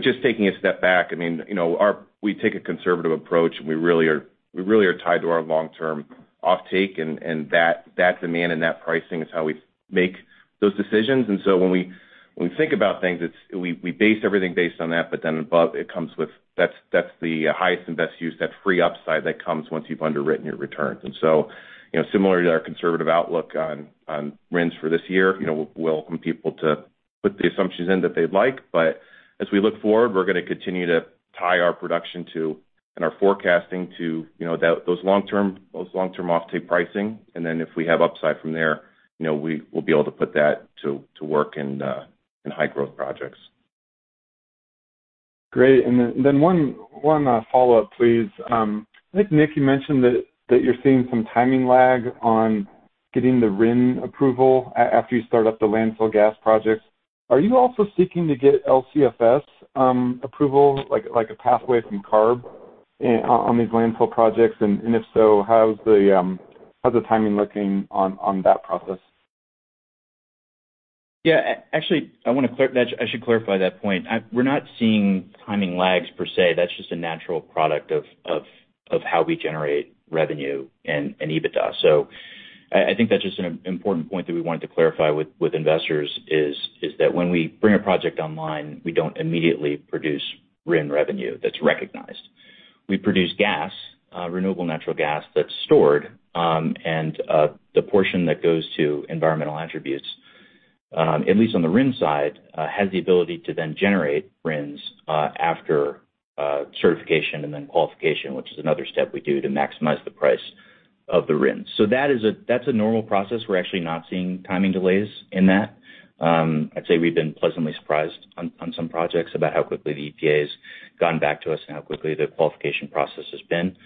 Just taking a step back, I mean, you know, we take a conservative approach, and we really are tied to our long-term offtake, and that demand and that pricing is how we make those decisions. When we think about things, we base everything based on that, but then above it comes with. That's the highest and best use, that free upside that comes once you've underwritten your returns. You know, similar to our conservative outlook on RINs for this year, you know, we'll welcome people to put the assumptions in that they'd like. As we look forward, we're gonna continue to tie our production to, and our forecasting to, you know, those long-term offtake pricing. If we have upside from there, you know, we will be able to put that to work in high growth projects. Great. One follow-up, please. I think, Nick, you mentioned that you're seeing some timing lag on getting the RIN approval after you start up the landfill gas projects. Are you also seeking to get LCFS approval, like a pathway from CARB on these landfill projects? If so, how's the timing looking on that process? Yeah, actually, I should clarify that point. We're not seeing timing lags per se. That's just a natural product of how we generate revenue and EBITDA. So I think that's just an important point that we wanted to clarify with investors, is that when we bring a project online, we don't immediately produce RIN revenue that's recognized. We produce gas, renewable natural gas that's stored, and the portion that goes to environmental attributes, at least on the RIN side, has the ability to then generate RINs, after certification and then qualification, which is another step we do to maximize the price of the RINs. So that's a normal process. We're actually not seeing timing delays in that. I'd say we've been pleasantly surprised on some projects about how quickly the EPA has gone back to us and how quickly the qualification process has been.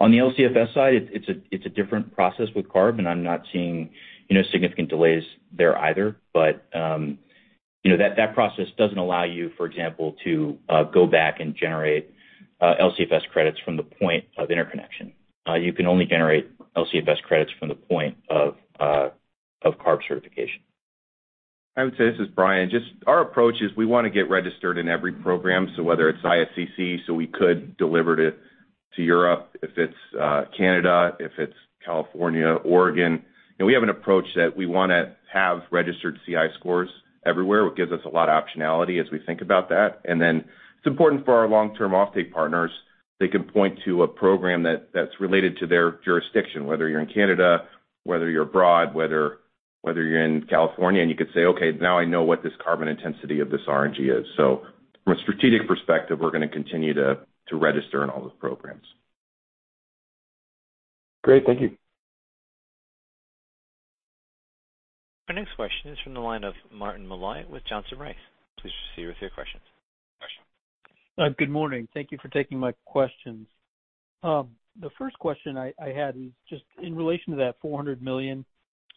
On the LCFS side, it's a different process with CARB, and I'm not seeing, you know, significant delays there either. You know, that process doesn't allow you, for example, to go back and generate LCFS credits from the point of interconnection. You can only generate LCFS credits from the point of CARB certification. I would say, this is Brian. Our approach is we wanna get registered in every program. Whether it's ISCC, so we could deliver it to Europe, if it's Canada, if it's California, Oregon. You know, we have an approach that we wanna have registered CI scores everywhere, which gives us a lot of optionality as we think about that. It's important for our long-term offtake partners. They can point to a program that's related to their jurisdiction, whether you're in Canada, whether you're abroad, whether you're in California, and you can say, "Okay, now I know what this carbon intensity of this RNG is." From a strategic perspective, we're gonna continue to register in all those programs. Great. Thank you. Our next question is from the line of Marty Malloy with Johnson Rice. Please proceed with your question. Good morning. Thank you for taking my questions. The first question I had is just in relation to that $400 million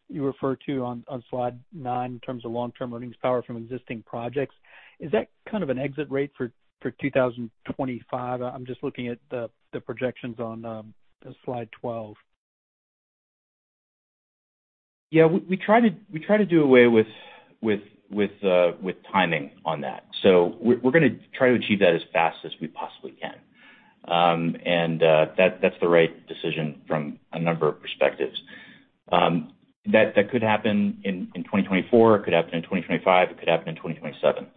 you refer to on slide 9 in terms of long-term earnings power from existing projects. Is that kind of an exit rate for 2025? I'm just looking at the projections on slide 12. Yeah. We try to do away with timing on that. We're gonna try to achieve that as fast as we possibly can. That's the right decision from a number of perspectives. That could happen in 2024, it could happen in 2025, it could happen in 2027.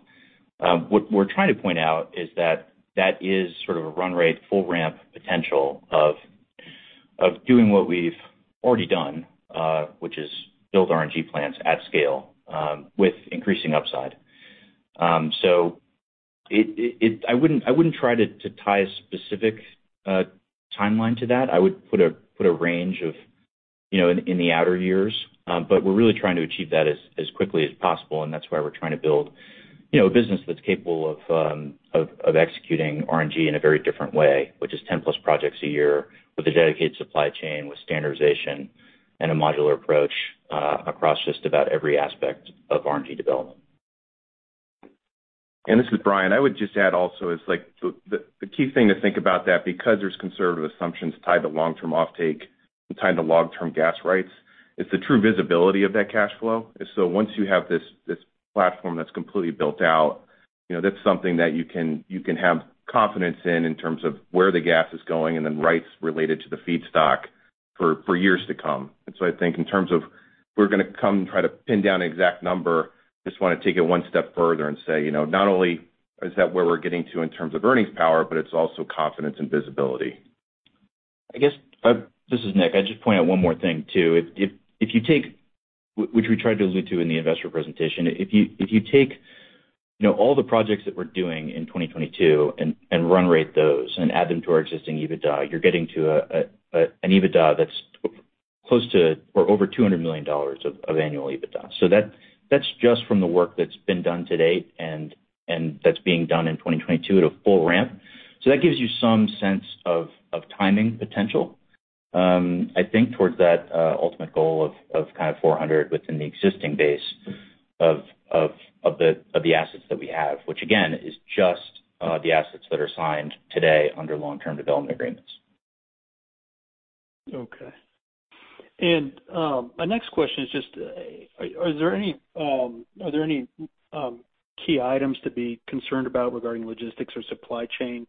What we're trying to point out is that that is sort of a run rate, full ramp potential of doing what we've already done, which is build RNG plants at scale, with increasing upside. I wouldn't try to tie a specific timeline to that. I would put a range of. You know, in the outer years. We're really trying to achieve that as quickly as possible, and that's why we're trying to build, you know, a business that's capable of executing RNG in a very different way, which is 10+ projects a year with a dedicated supply chain, with standardization and a modular approach across just about every aspect of RNG development. This is Brian. I would just add also it's like the key thing to think about that because there's conservative assumptions tied to long-term offtake and tied to long-term gas rights. It's the true visibility of that cash flow. Once you have this platform that's completely built out, you know, that's something that you can have confidence in terms of where the gas is going and then rights related to the feedstock for years to come. I think in terms of if we're gonna come and try to pin down an exact number, just wanna take it one step further and say, you know, not only is that where we're getting to in terms of earnings power, but it's also confidence and visibility. I guess this is Nick. I'd just point out one more thing, too, if you take which we tried to allude to in the investor presentation, you know all the projects that we're doing in 2022 and run rate those and add them to our existing EBITDA, you're getting to an EBITDA that's close to or over $200 million of annual EBITDA. That's just from the work that's been done to date and that's being done in 2022 at a full ramp. That gives you some sense of timing potential. I think towards that ultimate goal of kind of 400 within the existing base of the assets that we have. Which again is just the assets that are signed today under long-term development agreements. Okay, my next question is just, are there any key items to be concerned about regarding logistics or supply chain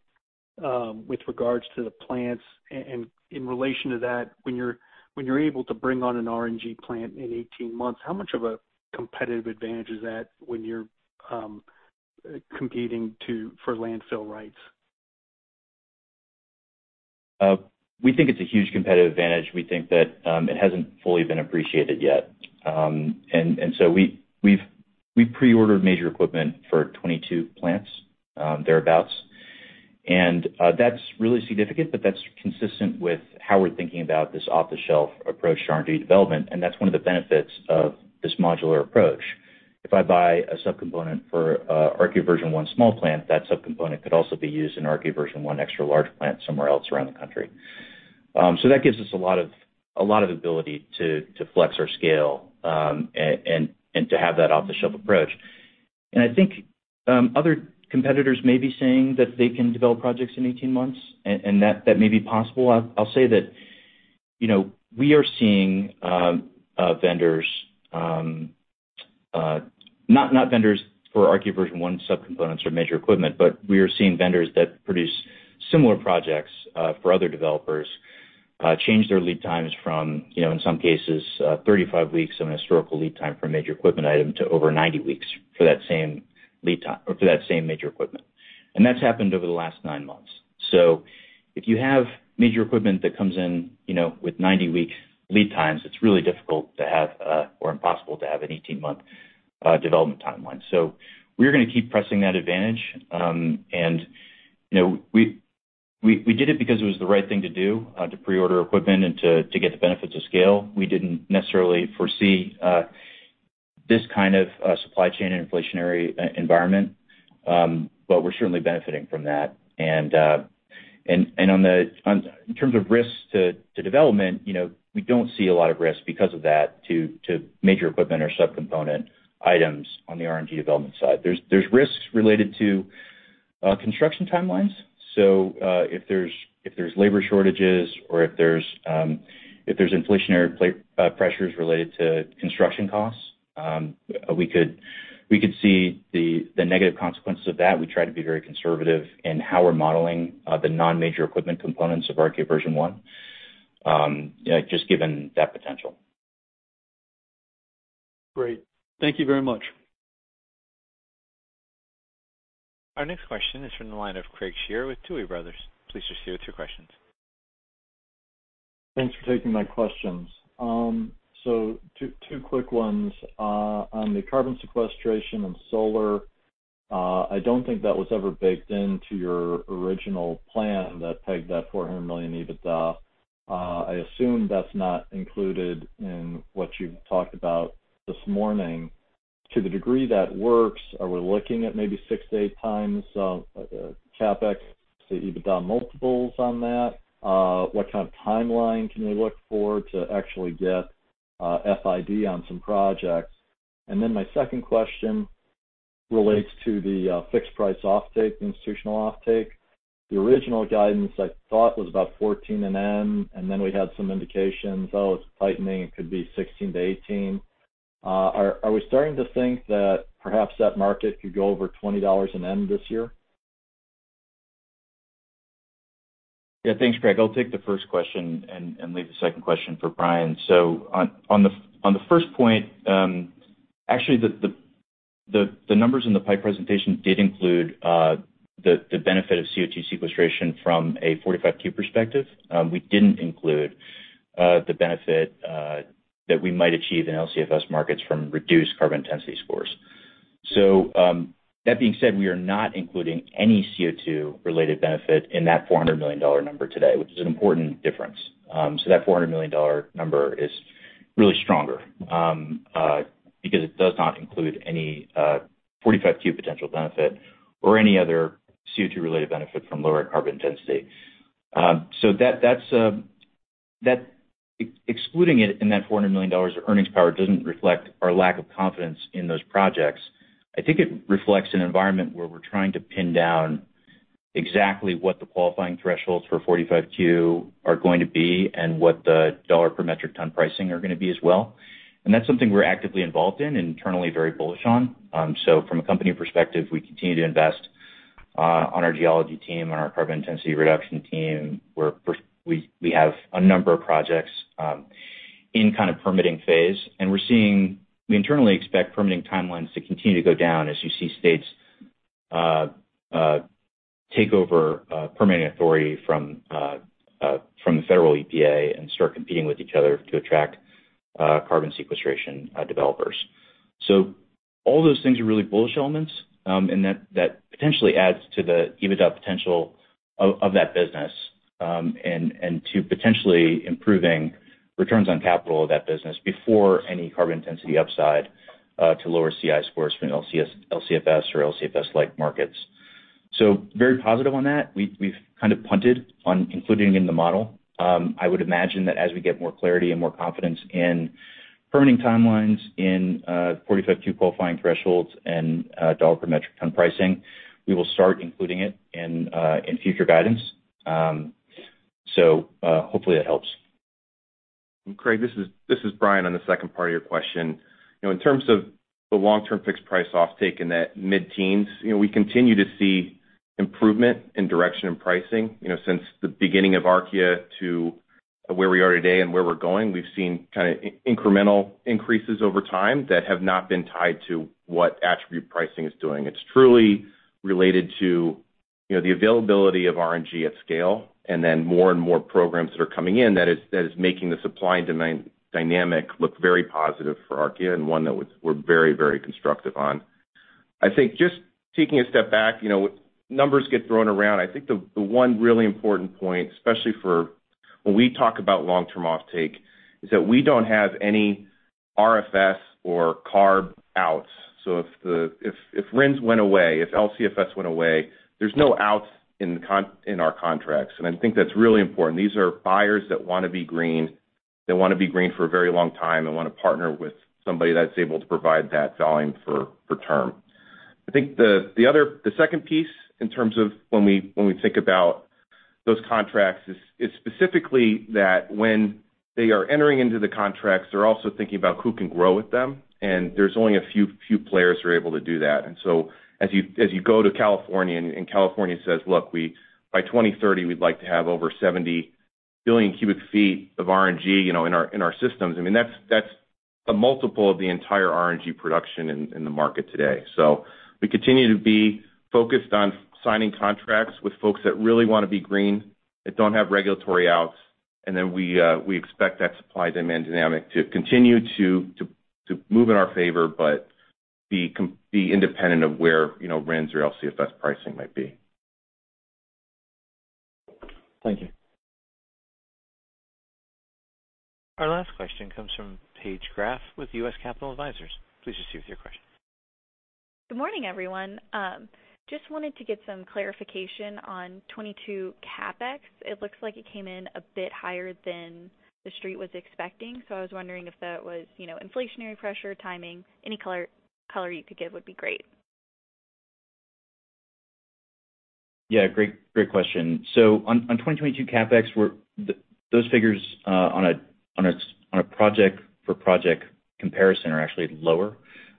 with regards to the plants? In relation to that, when you're able to bring on an RNG plant in 18 months, how much of a competitive advantage is that when you're competing for landfill rights? We think it's a huge competitive advantage. We think that it hasn't fully been appreciated yet. We've pre-ordered major equipment for 22 plants, thereabouts. That's really significant, but that's consistent with how we're thinking about this off-the-shelf approach to RNG development, and that's one of the benefits of this modular approach. If I buy a subcomponent for RNG version one small plant, that subcomponent could also be used in RNG version one extra-large plant somewhere else around the country. That gives us a lot of ability to flex our scale, and to have that off-the-shelf approach. I think other competitors may be saying that they can develop projects in 18 months, and that may be possible. I'll say that, you know, we are seeing vendors, not vendors for RNG version one subcomponents or major equipment, but we are seeing vendors that produce similar projects for other developers change their lead times from, you know, in some cases, 35 weeks on a historical lead time for a major equipment item to over 90 weeks for that same lead time or for that same major equipment. That's happened over the last 9 months. If you have major equipment that comes in, you know, with 90-week lead times, it's really difficult or impossible to have an 18-month development timeline. We're gonna keep pressing that advantage. You know, we did it because it was the right thing to do, to pre-order equipment and to get the benefits of scale. We didn't necessarily foresee this kind of supply chain and inflationary environment, but we're certainly benefiting from that. In terms of risks to development, you know, we don't see a lot of risk because of that to major equipment or subcomponent items on the RNG development side. There's risks related to construction timelines. If there's labor shortages or if there's inflationary pressures related to construction costs, we could see the negative consequences of that. We try to be very conservative in how we're modeling the non-major equipment components of RNG version one just given that potential. Great. Thank you very much. Our next question is from the line of Craig Shere with Tuohy Brothers. Please proceed with your questions. Thanks for taking my questions. Two quick ones. On the carbon sequestration and solar, I don't think that was ever baked into your original plan that pegged that $400 million EBITDA. I assume that's not included in what you've talked about this morning. To the degree that works, are we looking at maybe 6-8x CapEx to EBITDA multiples on that? What kind of timeline can we look for to actually get FID on some projects? My second question relates to the fixed price offtake, the institutional offtake. The original guidance I thought was about $14 and then we had some indications, oh, it's tightening, it could be $16-$18. Are we starting to think that perhaps that market could go over $20 and end this year? Yeah. Thanks, Craig. I'll take the first question and leave the second question for Brian. On the first point, actually the numbers in the PIPE presentation did include the benefit of CO2 sequestration from a 45Q perspective. We didn't include the benefit that we might achieve in LCFS markets from reduced carbon intensity scores. That being said, we are not including any CO2 related benefit in that $400 million number today, which is an important difference. That $400 million number is really stronger because it does not include any 45Q potential benefit or any other CO2 related benefit from lower carbon intensity. That excluding it in that $400 million of earnings power doesn't reflect our lack of confidence in those projects. I think it reflects an environment where we're trying to pin down exactly what the qualifying thresholds for 45Q are going to be and what the dollar per metric ton pricing are gonna be as well. That's something we're actively involved in and internally very bullish on. From a company perspective, we continue to invest in our geology team, on our carbon intensity reduction team, where we have a number of projects in kind of permitting phase. We internally expect permitting timelines to continue to go down as you see states take over permitting authority from the federal EPA and start competing with each other to attract carbon sequestration developers. All those things are really bullish elements, and that potentially adds to the EBITDA potential of that business, and to potentially improving returns on capital of that business before any carbon intensity upside to lower CI scores from LCFS or LCFS-like markets. Very positive on that. We've kind of punted on including in the model. I would imagine that as we get more clarity and more confidence in permitting timelines in 45Q qualifying thresholds and dollar per metric ton pricing, we will start including it in future guidance. Hopefully that helps. Craig, this is Brian on the second part of your question. You know, in terms of the long-term fixed price offtake in that mid-teens, you know, we continue to see improvement in duration and pricing. You know, since the beginning of Archaea to where we are today and where we're going, we've seen kinda incremental increases over time that have not been tied to what attribute pricing is doing. It's truly related to, you know, the availability of RNG at scale, and then more and more programs that are coming in that is making the supply and demand dynamic look very positive for Archaea and one that we're very constructive on. I think just taking a step back, you know, numbers get thrown around. I think the one really important point, especially for when we talk about long-term offtake, is that we don't have any RFS or CARB outs. If RINs went away, if LCFS went away, there's no outs in our contracts, and I think that's really important. These are buyers that wanna be green, that wanna be green for a very long time and wanna partner with somebody that's able to provide that volume for term. I think the second piece in terms of when we think about those contracts is specifically that when they are entering into the contracts, they're also thinking about who can grow with them, and there's only a few players who are able to do that. As you go to California and California says, "Look, by 2030, we'd like to have over 70 billion cubic feet of RNG, you know, in our systems," I mean, that's a multiple of the entire RNG production in the market today. We continue to be focused on signing contracts with folks that really wanna be green, that don't have regulatory outs, and then we expect that supply demand dynamic to continue to move in our favor, but be independent of where, you know, RINs or LCFS pricing might be. Thank you. Our last question comes from Paige Graf with US Capital Advisors. Please proceed with your question. Good morning, everyone. Just wanted to get some clarification on 2022 CapEx. It looks like it came in a bit higher than the street was expecting, so I was wondering if that was, you know, inflationary pressure, timing. Any color you could give would be great. Yeah, great question. On 2022 CapEx, those figures on a project-for-project comparison are actually lower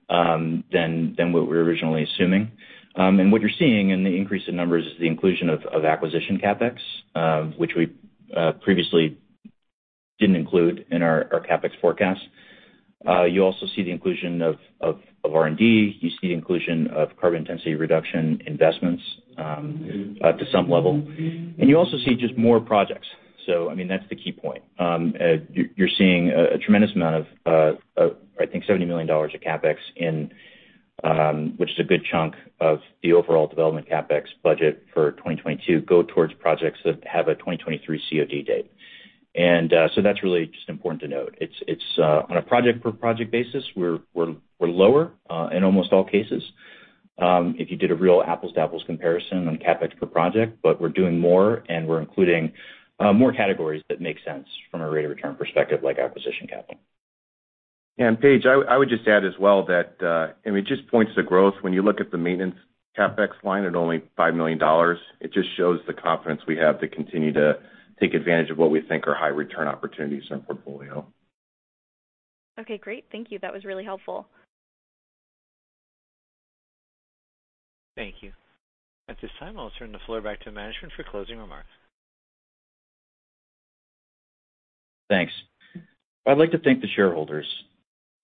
than what we were originally assuming. What you're seeing in the increase in numbers is the inclusion of acquisition CapEx, which we previously didn't include in our CapEx forecast. You also see the inclusion of R&D. You see the inclusion of carbon intensity reduction investments to some level. You also see just more projects. I mean, that's the key point. You're seeing a tremendous amount of, I think $70 million of CapEx, which is a good chunk of the overall development CapEx budget for 2022 go towards projects that have a 2023 COD date. That's really just important to note. It's on a project per project basis, we're lower in almost all cases, if you did a real apples to apples comparison on CapEx per project, but we're doing more and we're including more categories that make sense from a rate of return perspective like acquisition capital. Paige, I would just add as well that, I mean, it just points to growth. When you look at the maintenance CapEx line at only $5 million, it just shows the confidence we have to continue to take advantage of what we think are high return opportunities in our portfolio. Okay, great. Thank you. That was really helpful. Thank you. At this time, I'll turn the floor back to management for closing remarks. Thanks. I'd like to thank the shareholders.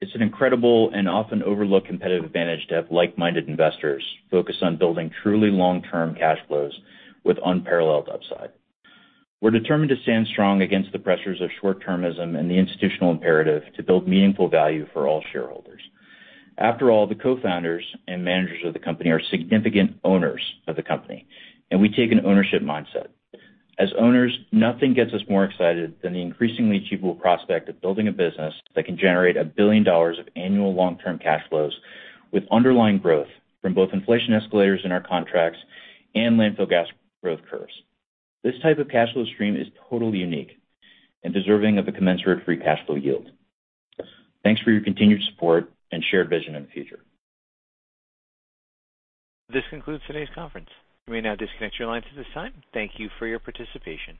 It's an incredible and often overlooked competitive advantage to have like-minded investors focused on building truly long-term cash flows with unparalleled upside. We're determined to stand strong against the pressures of short-termism and the institutional imperative to build meaningful value for all shareholders. After all, the co-founders and managers of the company are significant owners of the company, and we take an ownership mindset. As owners, nothing gets us more excited than the increasingly achievable prospect of building a business that can generate $1 billion of annual long-term cash flows with underlying growth from both inflation escalators in our contracts and landfill gas growth curves. This type of cash flow stream is totally unique and deserving of a commensurate free cash flow yield. Thanks for your continued support and shared vision in the future. This concludes today's conference. You may now disconnect your lines at this time. Thank you for your participation.